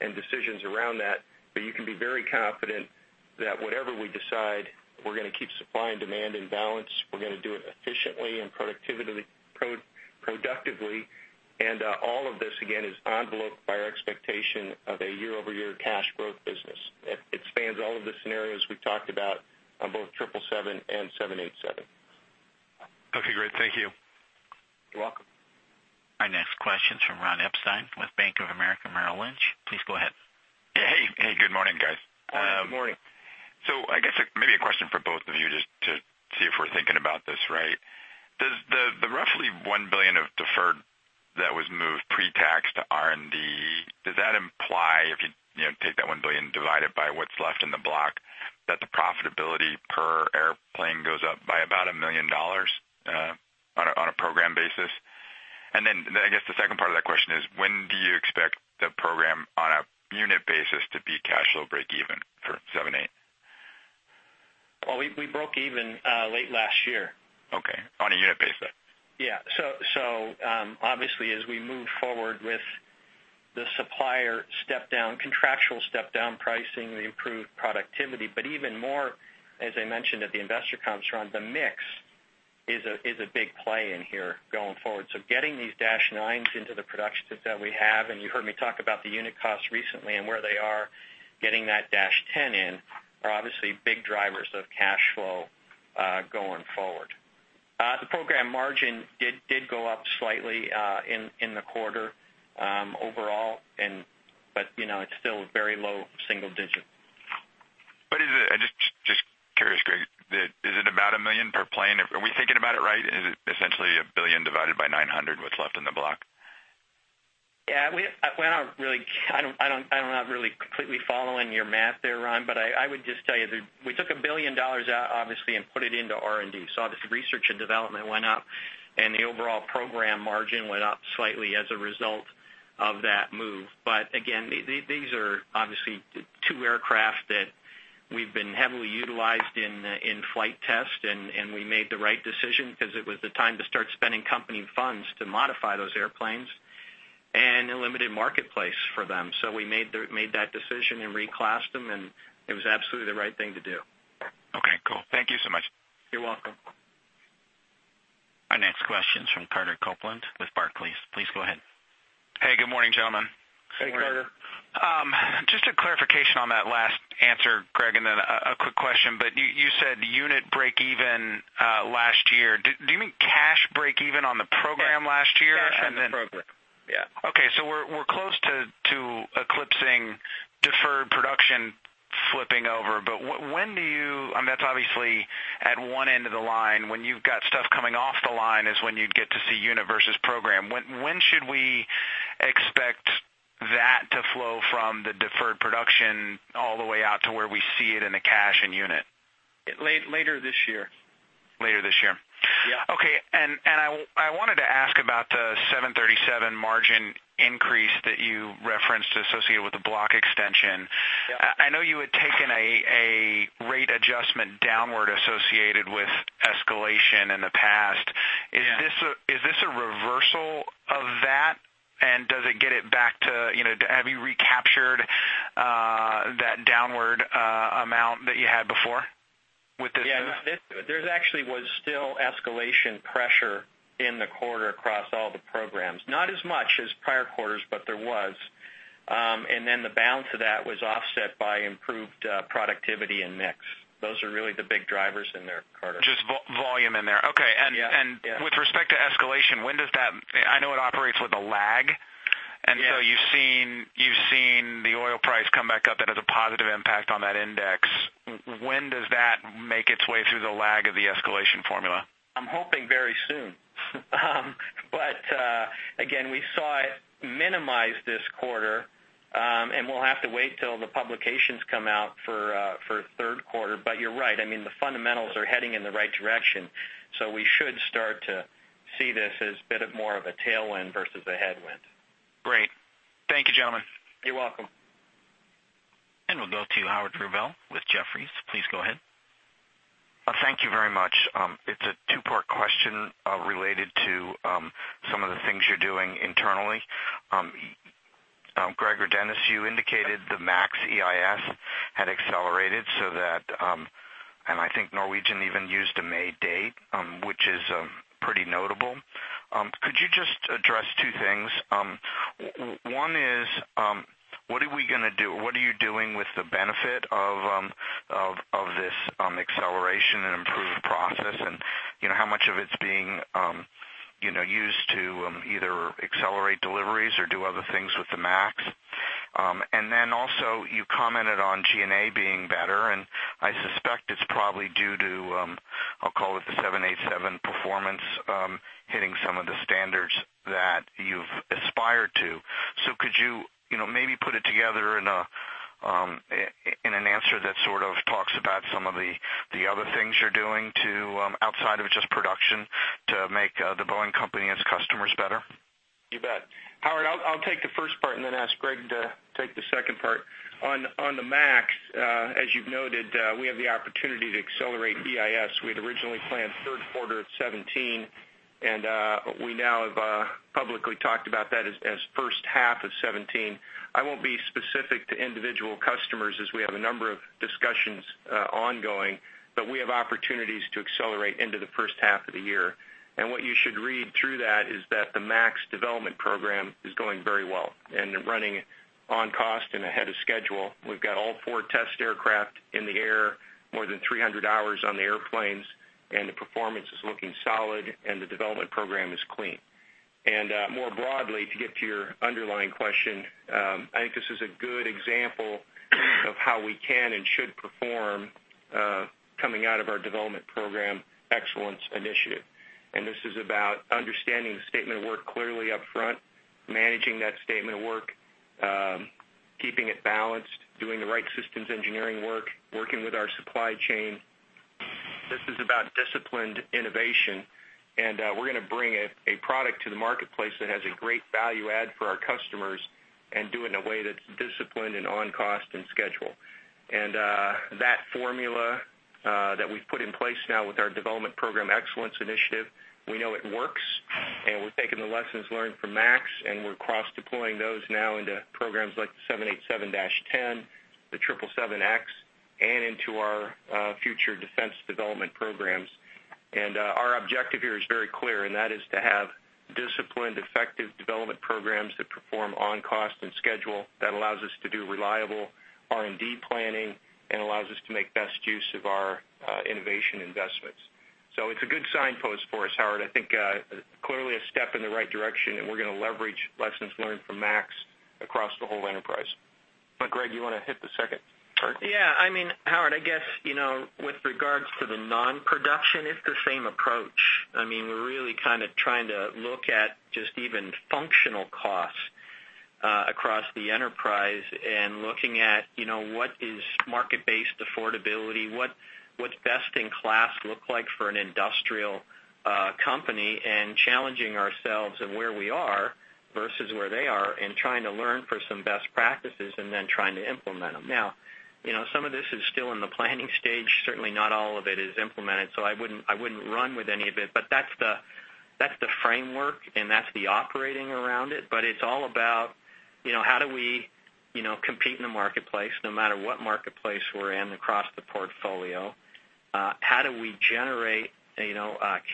S3: and decisions around that. You can be very confident that whatever we decide, we're going to keep supply and demand in balance. We're going to do it efficiently and productively. All of this, again, is enveloped by our expectation of a year-over-year cash growth business. It spans all of the scenarios we've talked about on both 777 and 787.
S10: Okay, great. Thank you.
S3: You're welcome.
S1: Our next question is from Ron Epstein with Bank of America Merrill Lynch. Please go ahead.
S11: Hey. Good morning, guys.
S3: Good morning.
S11: I guess maybe a question for both of you, just to see if we're thinking about this right. Does the roughly $1 billion of deferred that was moved pre-tax to R&D, does that imply, if you take that $1 billion, divide it by what's left in the block, that the profitability per airplane goes up by about $1 million on a program basis? I guess the second part of that question is, when do you expect the program on a unit basis to be cash flow breakeven for 787?
S3: Well, we broke even late last year.
S11: Okay, on a unit basis.
S3: Obviously, as we move forward with the supplier contractual step-down pricing, the improved productivity, but even more, as I mentioned at the investor conference, Ron, the mix is a big play in here going forward. Getting these dash 9s into the production that we have, and you heard me talk about the unit costs recently and where they are getting that dash 10 in, are obviously big drivers of cash flow going forward. The program margin did go up slightly in the quarter overall, but it's still very low single digit.
S11: Just curious, Greg, is it about $1 million per plane? Are we thinking about it right? Is it essentially $1 billion divided by 900, what's left in the block?
S4: Yeah, I'm not really completely following your math there, Ron, I would just tell you that we took $1 billion out, obviously, and put it into R&D. Obviously, research and development went up, and the overall program margin went up slightly as a result of that move. Again, these are obviously two aircraft that we've been heavily utilized in flight test, and we made the right decision because it was the time to start spending company funds to modify those airplanes and a limited marketplace for them. We made that decision and reclassed them, and it was absolutely the right thing to do.
S11: Okay, cool. Thank you so much.
S3: You're welcome.
S1: Our next question is from Carter Copeland with Barclays. Please go ahead.
S12: Hey, good morning, gentlemen.
S3: Hey, Carter.
S12: Just a clarification on that last answer, Greg, then a quick question, you said unit breakeven last year. Do you mean cash breakeven on the program last year?
S4: Yeah, on the program. Yeah.
S12: Okay, we're close to eclipsing deferred production flipping over. That's obviously at one end of the line. When you've got stuff coming off the line is when you'd get to see unit versus program. When should we expect that to flow from the deferred production all the way out to where we see it in the cash and unit?
S4: Later this year.
S12: Later this year.
S4: Yeah.
S12: Okay. I wanted to ask about the 737 margin increase that you referenced associated with the block extension. Yeah. I know you had taken a rate adjustment downward associated with escalation in the past.
S4: Yeah.
S12: Is this a reversal of that, and have you recaptured that downward amount that you had before with this?
S4: Yeah. There actually was still escalation pressure in the quarter across all the programs. Not as much as prior quarters, but there was. The balance of that was offset by improved productivity and mix. Those are really the big drivers in there, Carter.
S12: Just volume in there. Okay.
S4: Yeah.
S12: With respect to escalation, I know it operates with a lag. Yeah You've seen the oil price come back up. That has a positive impact on that index. When does that make its way through the lag of the escalation formula?
S4: I'm hoping very soon. Again, we saw it minimize this quarter, and we'll have to wait till the publications come out for third quarter. You're right, the fundamentals are heading in the right direction, so we should start to see this as a bit of more of a tailwind versus a headwind.
S12: Great. Thank you, gentlemen.
S3: You're welcome.
S1: We'll go to Howard Rubel with Jefferies. Please go ahead.
S13: Thank you very much. It's a two-part question related to some of the things you're doing internally. Greg or Dennis, you indicated the MAX EIS Had accelerated so that, I think Norwegian even used a May date, which is pretty notable. Could you just address two things? One is, what are you doing with the benefit of this acceleration and improved process, how much of it's being used to either accelerate deliveries or do other things with the MAX? Also you commented on G&A being better, and I suspect it's probably due to, I'll call it the 787 performance, hitting some of the standards that you've aspired to. Could you, maybe put it together in an answer that sort of talks about some of the other things you're doing to, outside of just production, to make The Boeing Company and its customers better?
S3: You bet. Howard, I'll take the first part and then ask Greg to take the second part. On the MAX, as you've noted, we have the opportunity to accelerate EIS. We had originally planned third quarter at 2017, we now have, publicly talked about that as first half of 2017. I won't be specific to individual customers as we have a number of discussions ongoing, but we have opportunities to accelerate into the first half of the year. What you should read through that is that the MAX development program is going very well and running on cost and ahead of schedule. We've got all four test aircraft in the air, more than 300 hours on the airplanes, the performance is looking solid, and the development program is clean. More broadly, to get to your underlying question, I think this is a good example of how we can and should perform, coming out of our Development Program Excellence Initiative. This is about understanding the statement of work clearly upfront, managing that statement of work, keeping it balanced, doing the right systems engineering work, working with our supply chain. This is about disciplined innovation, we're going to bring a product to the marketplace that has a great value add for our customers and do it in a way that's disciplined and on cost and schedule. That formula that we've put in place now with our Development Program Excellence Initiative, we know it works, and we're taking the lessons learned from MAX, and we're cross-deploying those now into programs like the 787-10, the 777X, and into our future defense development programs. Our objective here is very clear, and that is to have disciplined, effective development programs that perform on cost and schedule that allows us to do reliable R&D planning and allows us to make the best use of our innovation investments. It's a good signpost for us, Howard. I think, clearly a step in the right direction, and we're going to leverage lessons learned from 737 MAX across the whole enterprise. Greg, you want to hit the second part?
S4: Yeah. Howard, I guess, with regards to the non-production, it's the same approach. We're really kind of trying to look at just even functional costs, across the enterprise and looking at what is market-based affordability, what's best in class look like for an industrial company, and challenging ourselves in where we are versus where they are, and trying to learn for some best practices and then trying to implement them. Now, some of this is still in the planning stage. Certainly not all of it is implemented, so I wouldn't run with any of it. That's the framework, and that's the operating around it. It's all about, how do we compete in the marketplace no matter what marketplace we're in across the portfolio. How do we generate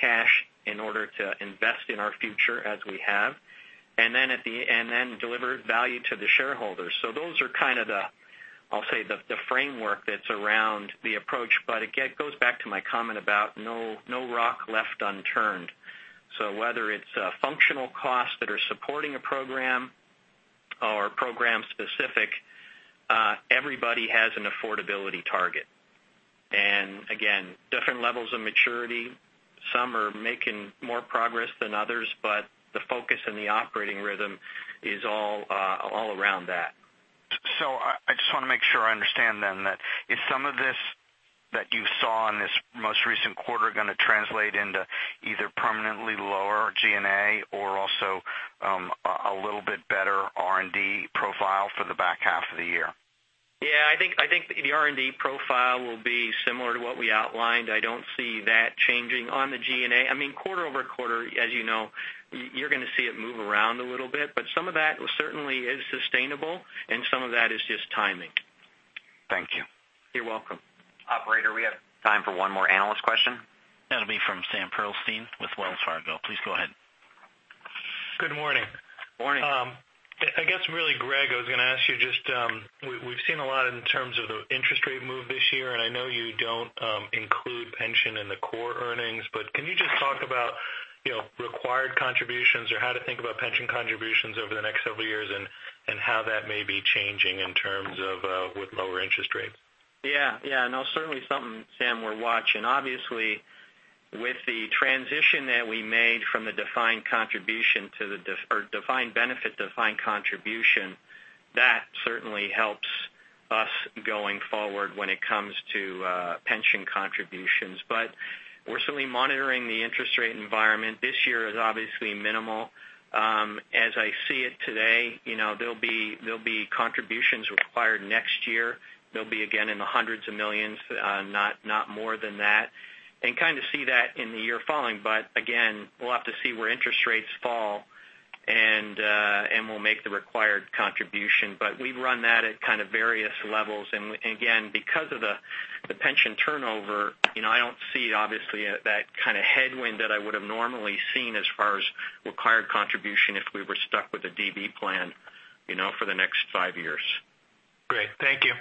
S4: cash in order to invest in our future as we have, and then deliver value to the shareholders. Those are kind of the, I'll say, the framework that's around the approach. Again, it goes back to my comment about no rock left unturned. Whether it's functional costs that are supporting a program or program specific, everybody has an affordability target. Again, different levels of maturity. Some are making more progress than others, but the focus and the operating rhythm is all around that.
S13: I just want to make sure I understand then that, is some of this that you saw in this most recent quarter going to translate into either permanently lower G&A or also, a little bit better R&D profile for the back half of the year?
S4: Yeah, I think the R&D profile will be similar to what we outlined. I don't see that changing. On the G&A, quarter-over-quarter, as you know, you're going to see it move around a little bit, but some of that certainly is sustainable and some of that is just timing.
S13: Thank you.
S4: You're welcome.
S3: Operator, we have time for one more analyst question.
S1: That'll be from Sam Pearlstein with Wells Fargo. Please go ahead.
S14: Good morning.
S3: Morning.
S14: I guess, really, Greg, I was going to ask you just, we've seen a lot in terms of the interest rate move this year, and I know you don't include pension in the core earnings, but can you just talk about required contributions or how to think about pension contributions over the next several years and how that may be changing in terms of, with lower interest rates?
S4: Yeah. No, certainly something, Sam, we're watching. Obviously, with the transition that we made from the defined benefit, defined contribution, that certainly helps us going forward when it comes to pension contributions. We're certainly monitoring the interest rate environment. This year is obviously minimal. As I see it today, there'll be contributions required next year. They'll be again in the $ hundreds of millions, not more than that. Kind of see that in the year following, but again, we'll have to see where interest rates fall.
S3: We'll make the required contribution. We run that at kind of various levels. Again, because of the pension turnover, I don't see, obviously, that kind of headwind that I would've normally seen as far as required contribution if we were stuck with a DB plan for the next five years.
S14: Great. Thank you.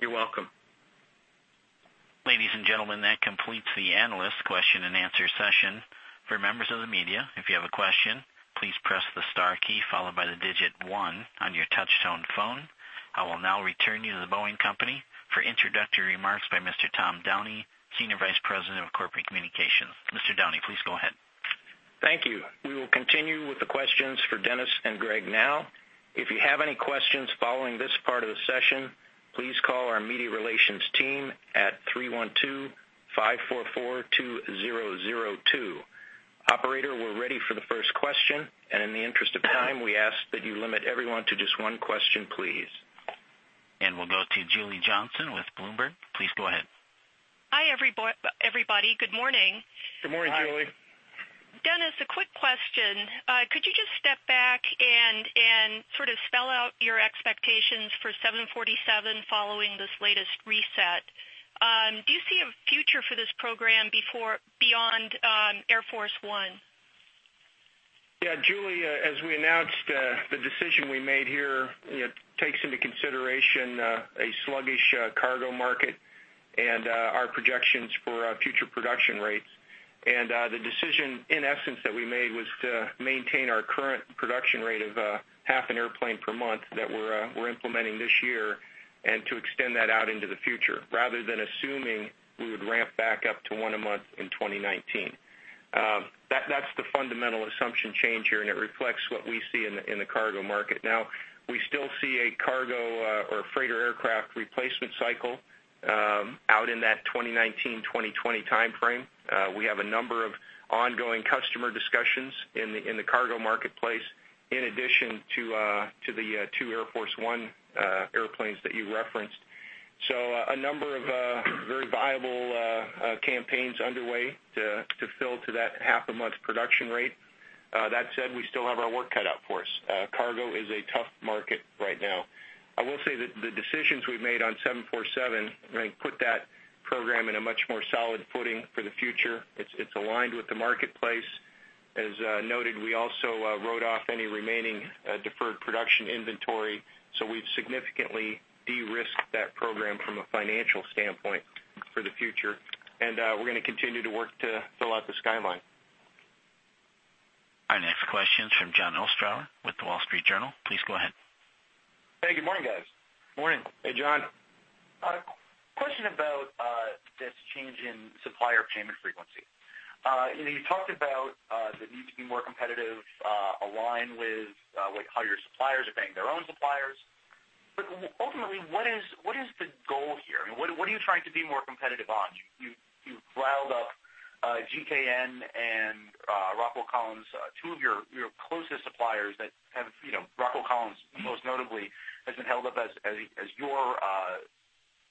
S3: You're welcome.
S1: Ladies and gentlemen, that completes the analyst question and answer session. For members of the media, if you have a question, please press the star key followed by the digit 1 on your touch-tone phone. I will now return you to The Boeing Company for introductory remarks by Mr. Tom Downey, Senior Vice President of Corporate Communications. Mr. Downey, please go ahead.
S15: Thank you. We will continue with the questions for Dennis and Greg now. If you have any questions following this part of the session, please call our media relations team at 312-544-2002. Operator, we're ready for the first question, in the interest of time, we ask that you limit everyone to just one question, please.
S1: We'll go to Julie Johnsson with Bloomberg. Please go ahead.
S16: Hi, everybody. Good morning.
S3: Good morning, Julie.
S16: Dennis, a quick question. Could you just step back and sort of spell out your expectations for 747 following this latest reset? Do you see a future for this program beyond Air Force One?
S3: Yeah, Julie, as we announced, the decision we made here takes into consideration a sluggish cargo market and our projections for future production rates. The decision, in essence, that we made was to maintain our current production rate of half an airplane per month that we're implementing this year, and to extend that out into the future, rather than assuming we would ramp back up to one a month in 2019. That's the fundamental assumption change here. It reflects what we see in the cargo market. Now, we still see a cargo or freighter aircraft replacement cycle out in that 2019, 2020 timeframe. We have a number of ongoing customer discussions in the cargo marketplace in addition to the two Air Force One airplanes that you referenced. A number of very viable campaigns underway to fill to that half-a-month production rate. That said, we still have our work cut out for us. Cargo is a tough market right now. I will say that the decisions we've made on 747 put that program in a much more solid footing for the future. It's aligned with the marketplace. As noted, we also wrote off any remaining deferred production inventory. We've significantly de-risked that program from a financial standpoint for the future. We're going to continue to work to fill out the skyline.
S1: Our next question's from Jon Ostrower with The Wall Street Journal. Please go ahead.
S17: Hey, good morning, guys.
S3: Morning.
S15: Hey, Jon.
S17: A question about this change in supplier payment frequency. You talked about the need to be more competitive, align with how your suppliers are paying their own suppliers. Ultimately, what is the goal here? What are you trying to be more competitive on? You've riled up GKN and Rockwell Collins, two of your closest suppliers that have, Rockwell Collins most notably, has been held up as your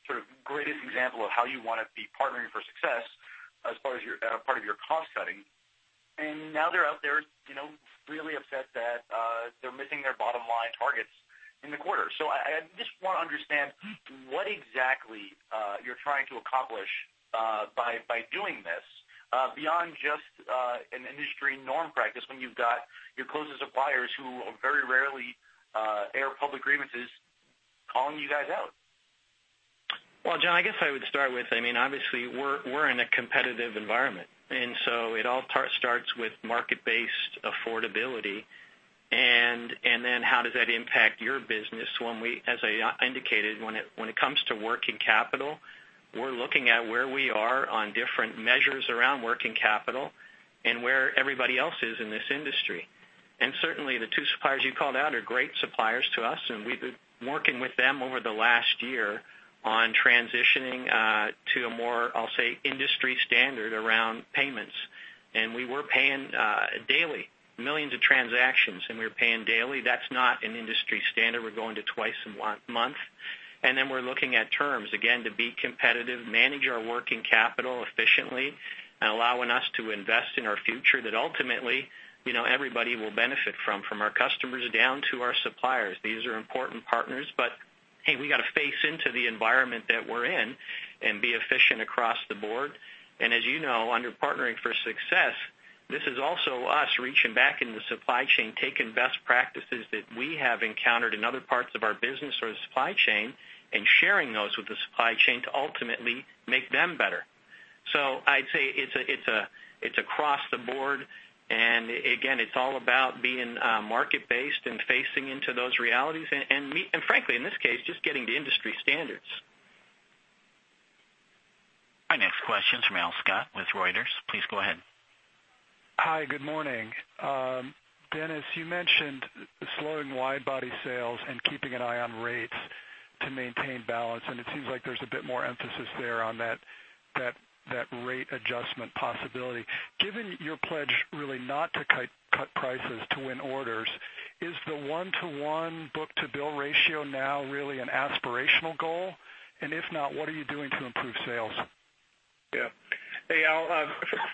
S17: sort of greatest example of how you want to be Partnering for Success as part of your cost cutting. Now they're out there really upset that they're missing their bottom-line targets in the quarter. I just want to understand what exactly you're trying to accomplish by doing this, beyond just an industry norm practice when you've got your closest suppliers, who very rarely air public grievances, calling you guys out.
S3: Well, Jon, I guess I would start with, obviously, we're in a competitive environment. It all starts with market-based affordability. Then how does that impact your business when we, as I indicated, when it comes to working capital, we're looking at where we are on different measures around working capital and where everybody else is in this industry. Certainly, the two suppliers you called out are great suppliers to us. We've been working with them over the last year on transitioning to a more, I'll say, industry standard around payments. We were paying daily, millions of transactions. We were paying daily. That's not an industry standard. We're going to twice a month. We're looking at terms, again, to be competitive, manage our working capital efficiently, allowing us to invest in our future that ultimately everybody will benefit from our customers down to our suppliers. These are important partners. Hey, we got to face into the environment that we're in and be efficient across the board. As you know, under Partnering for Success, this is also us reaching back in the supply chain, taking best practices that we have encountered in other parts of our business or the supply chain, and sharing those with the supply chain to ultimately make them better. I'd say it's across the board, and again, it's all about being market based and facing into those realities and, frankly, in this case, just getting to industry standards.
S1: Our next question's from Alwyn Scott with Reuters. Please go ahead.
S18: Hi, good morning. Dennis, you mentioned slowing wide-body sales and keeping an eye on rates to maintain balance, and it seems like there's a bit more emphasis there on that rate adjustment possibility. Given your pledge really not to cut prices to win orders, is the 1-to-1 book-to-bill ratio now really an aspirational goal? If not, what are you doing to improve sales?
S3: Yeah. Hey, Al,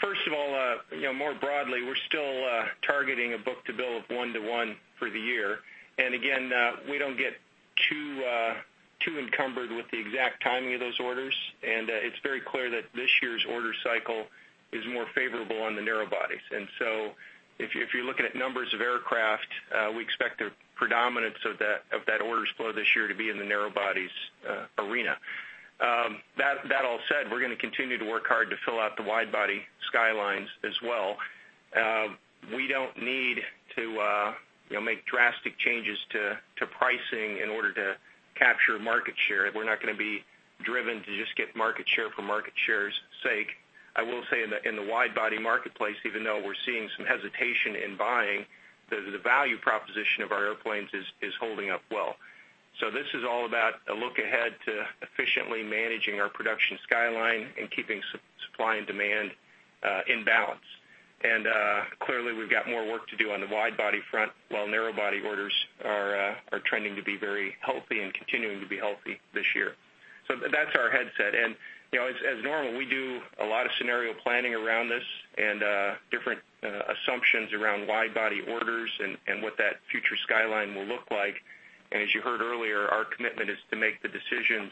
S3: first of all, more broadly, we're still targeting a book-to-bill of 1-to-1 for the year. Again, we don't get too encumbered with the exact timing of those orders, and it's very clear that this year's order cycle is more favorable on the narrow-bodies. If you're looking at numbers of aircraft, we expect the predominance of that orders flow this year to be in the narrow-bodies arena. That all said, we're going to continue to work hard to fill out the wide-body skylines as well. We don't need to make drastic changes to pricing in order to capture market share. We're not going to be driven to just get market share for market share's sake. I will say in the wide-body marketplace, even though we're seeing some hesitation in buying, the value proposition of our airplanes is holding up well. This is all about a look ahead to efficiently managing our production skyline and keeping supply and demand in balance. Clearly, we've got more work to do on the widebody front, while narrowbody orders are trending to be very healthy and continuing to be healthy this year. That's our headset. As normal, we do a lot of scenario planning around this and different assumptions around widebody orders and what that future skyline will look like. As you heard earlier, our commitment is to make the decisions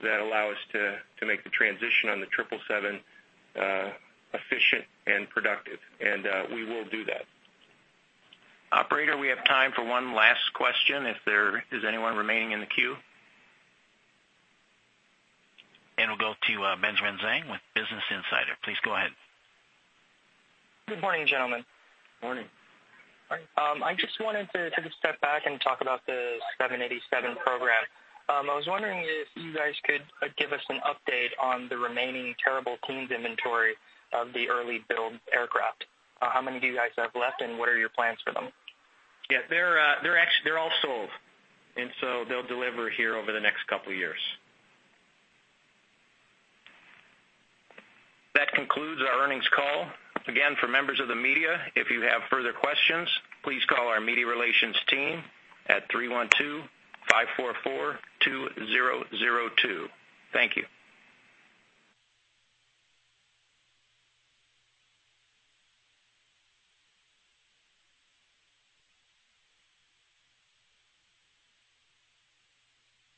S3: that allow us to make the transition on the 777 efficient and productive, and we will do that.
S15: Operator, we have time for one last question, if there is anyone remaining in the queue. We'll go to Benjamin Zhang with Business Insider. Please go ahead.
S19: Good morning, gentlemen.
S3: Morning.
S15: Morning.
S19: I just wanted to take a step back and talk about the 787 program. I was wondering if you guys could give us an update on the remaining Terrible Teens inventory of the early build aircraft. How many do you guys have left, and what are your plans for them?
S3: Yeah, they're all sold, they'll deliver here over the next couple of years.
S15: That concludes our earnings call. Again, for members of the media, if you have further questions, please call our media relations team at 312-544-2002. Thank you.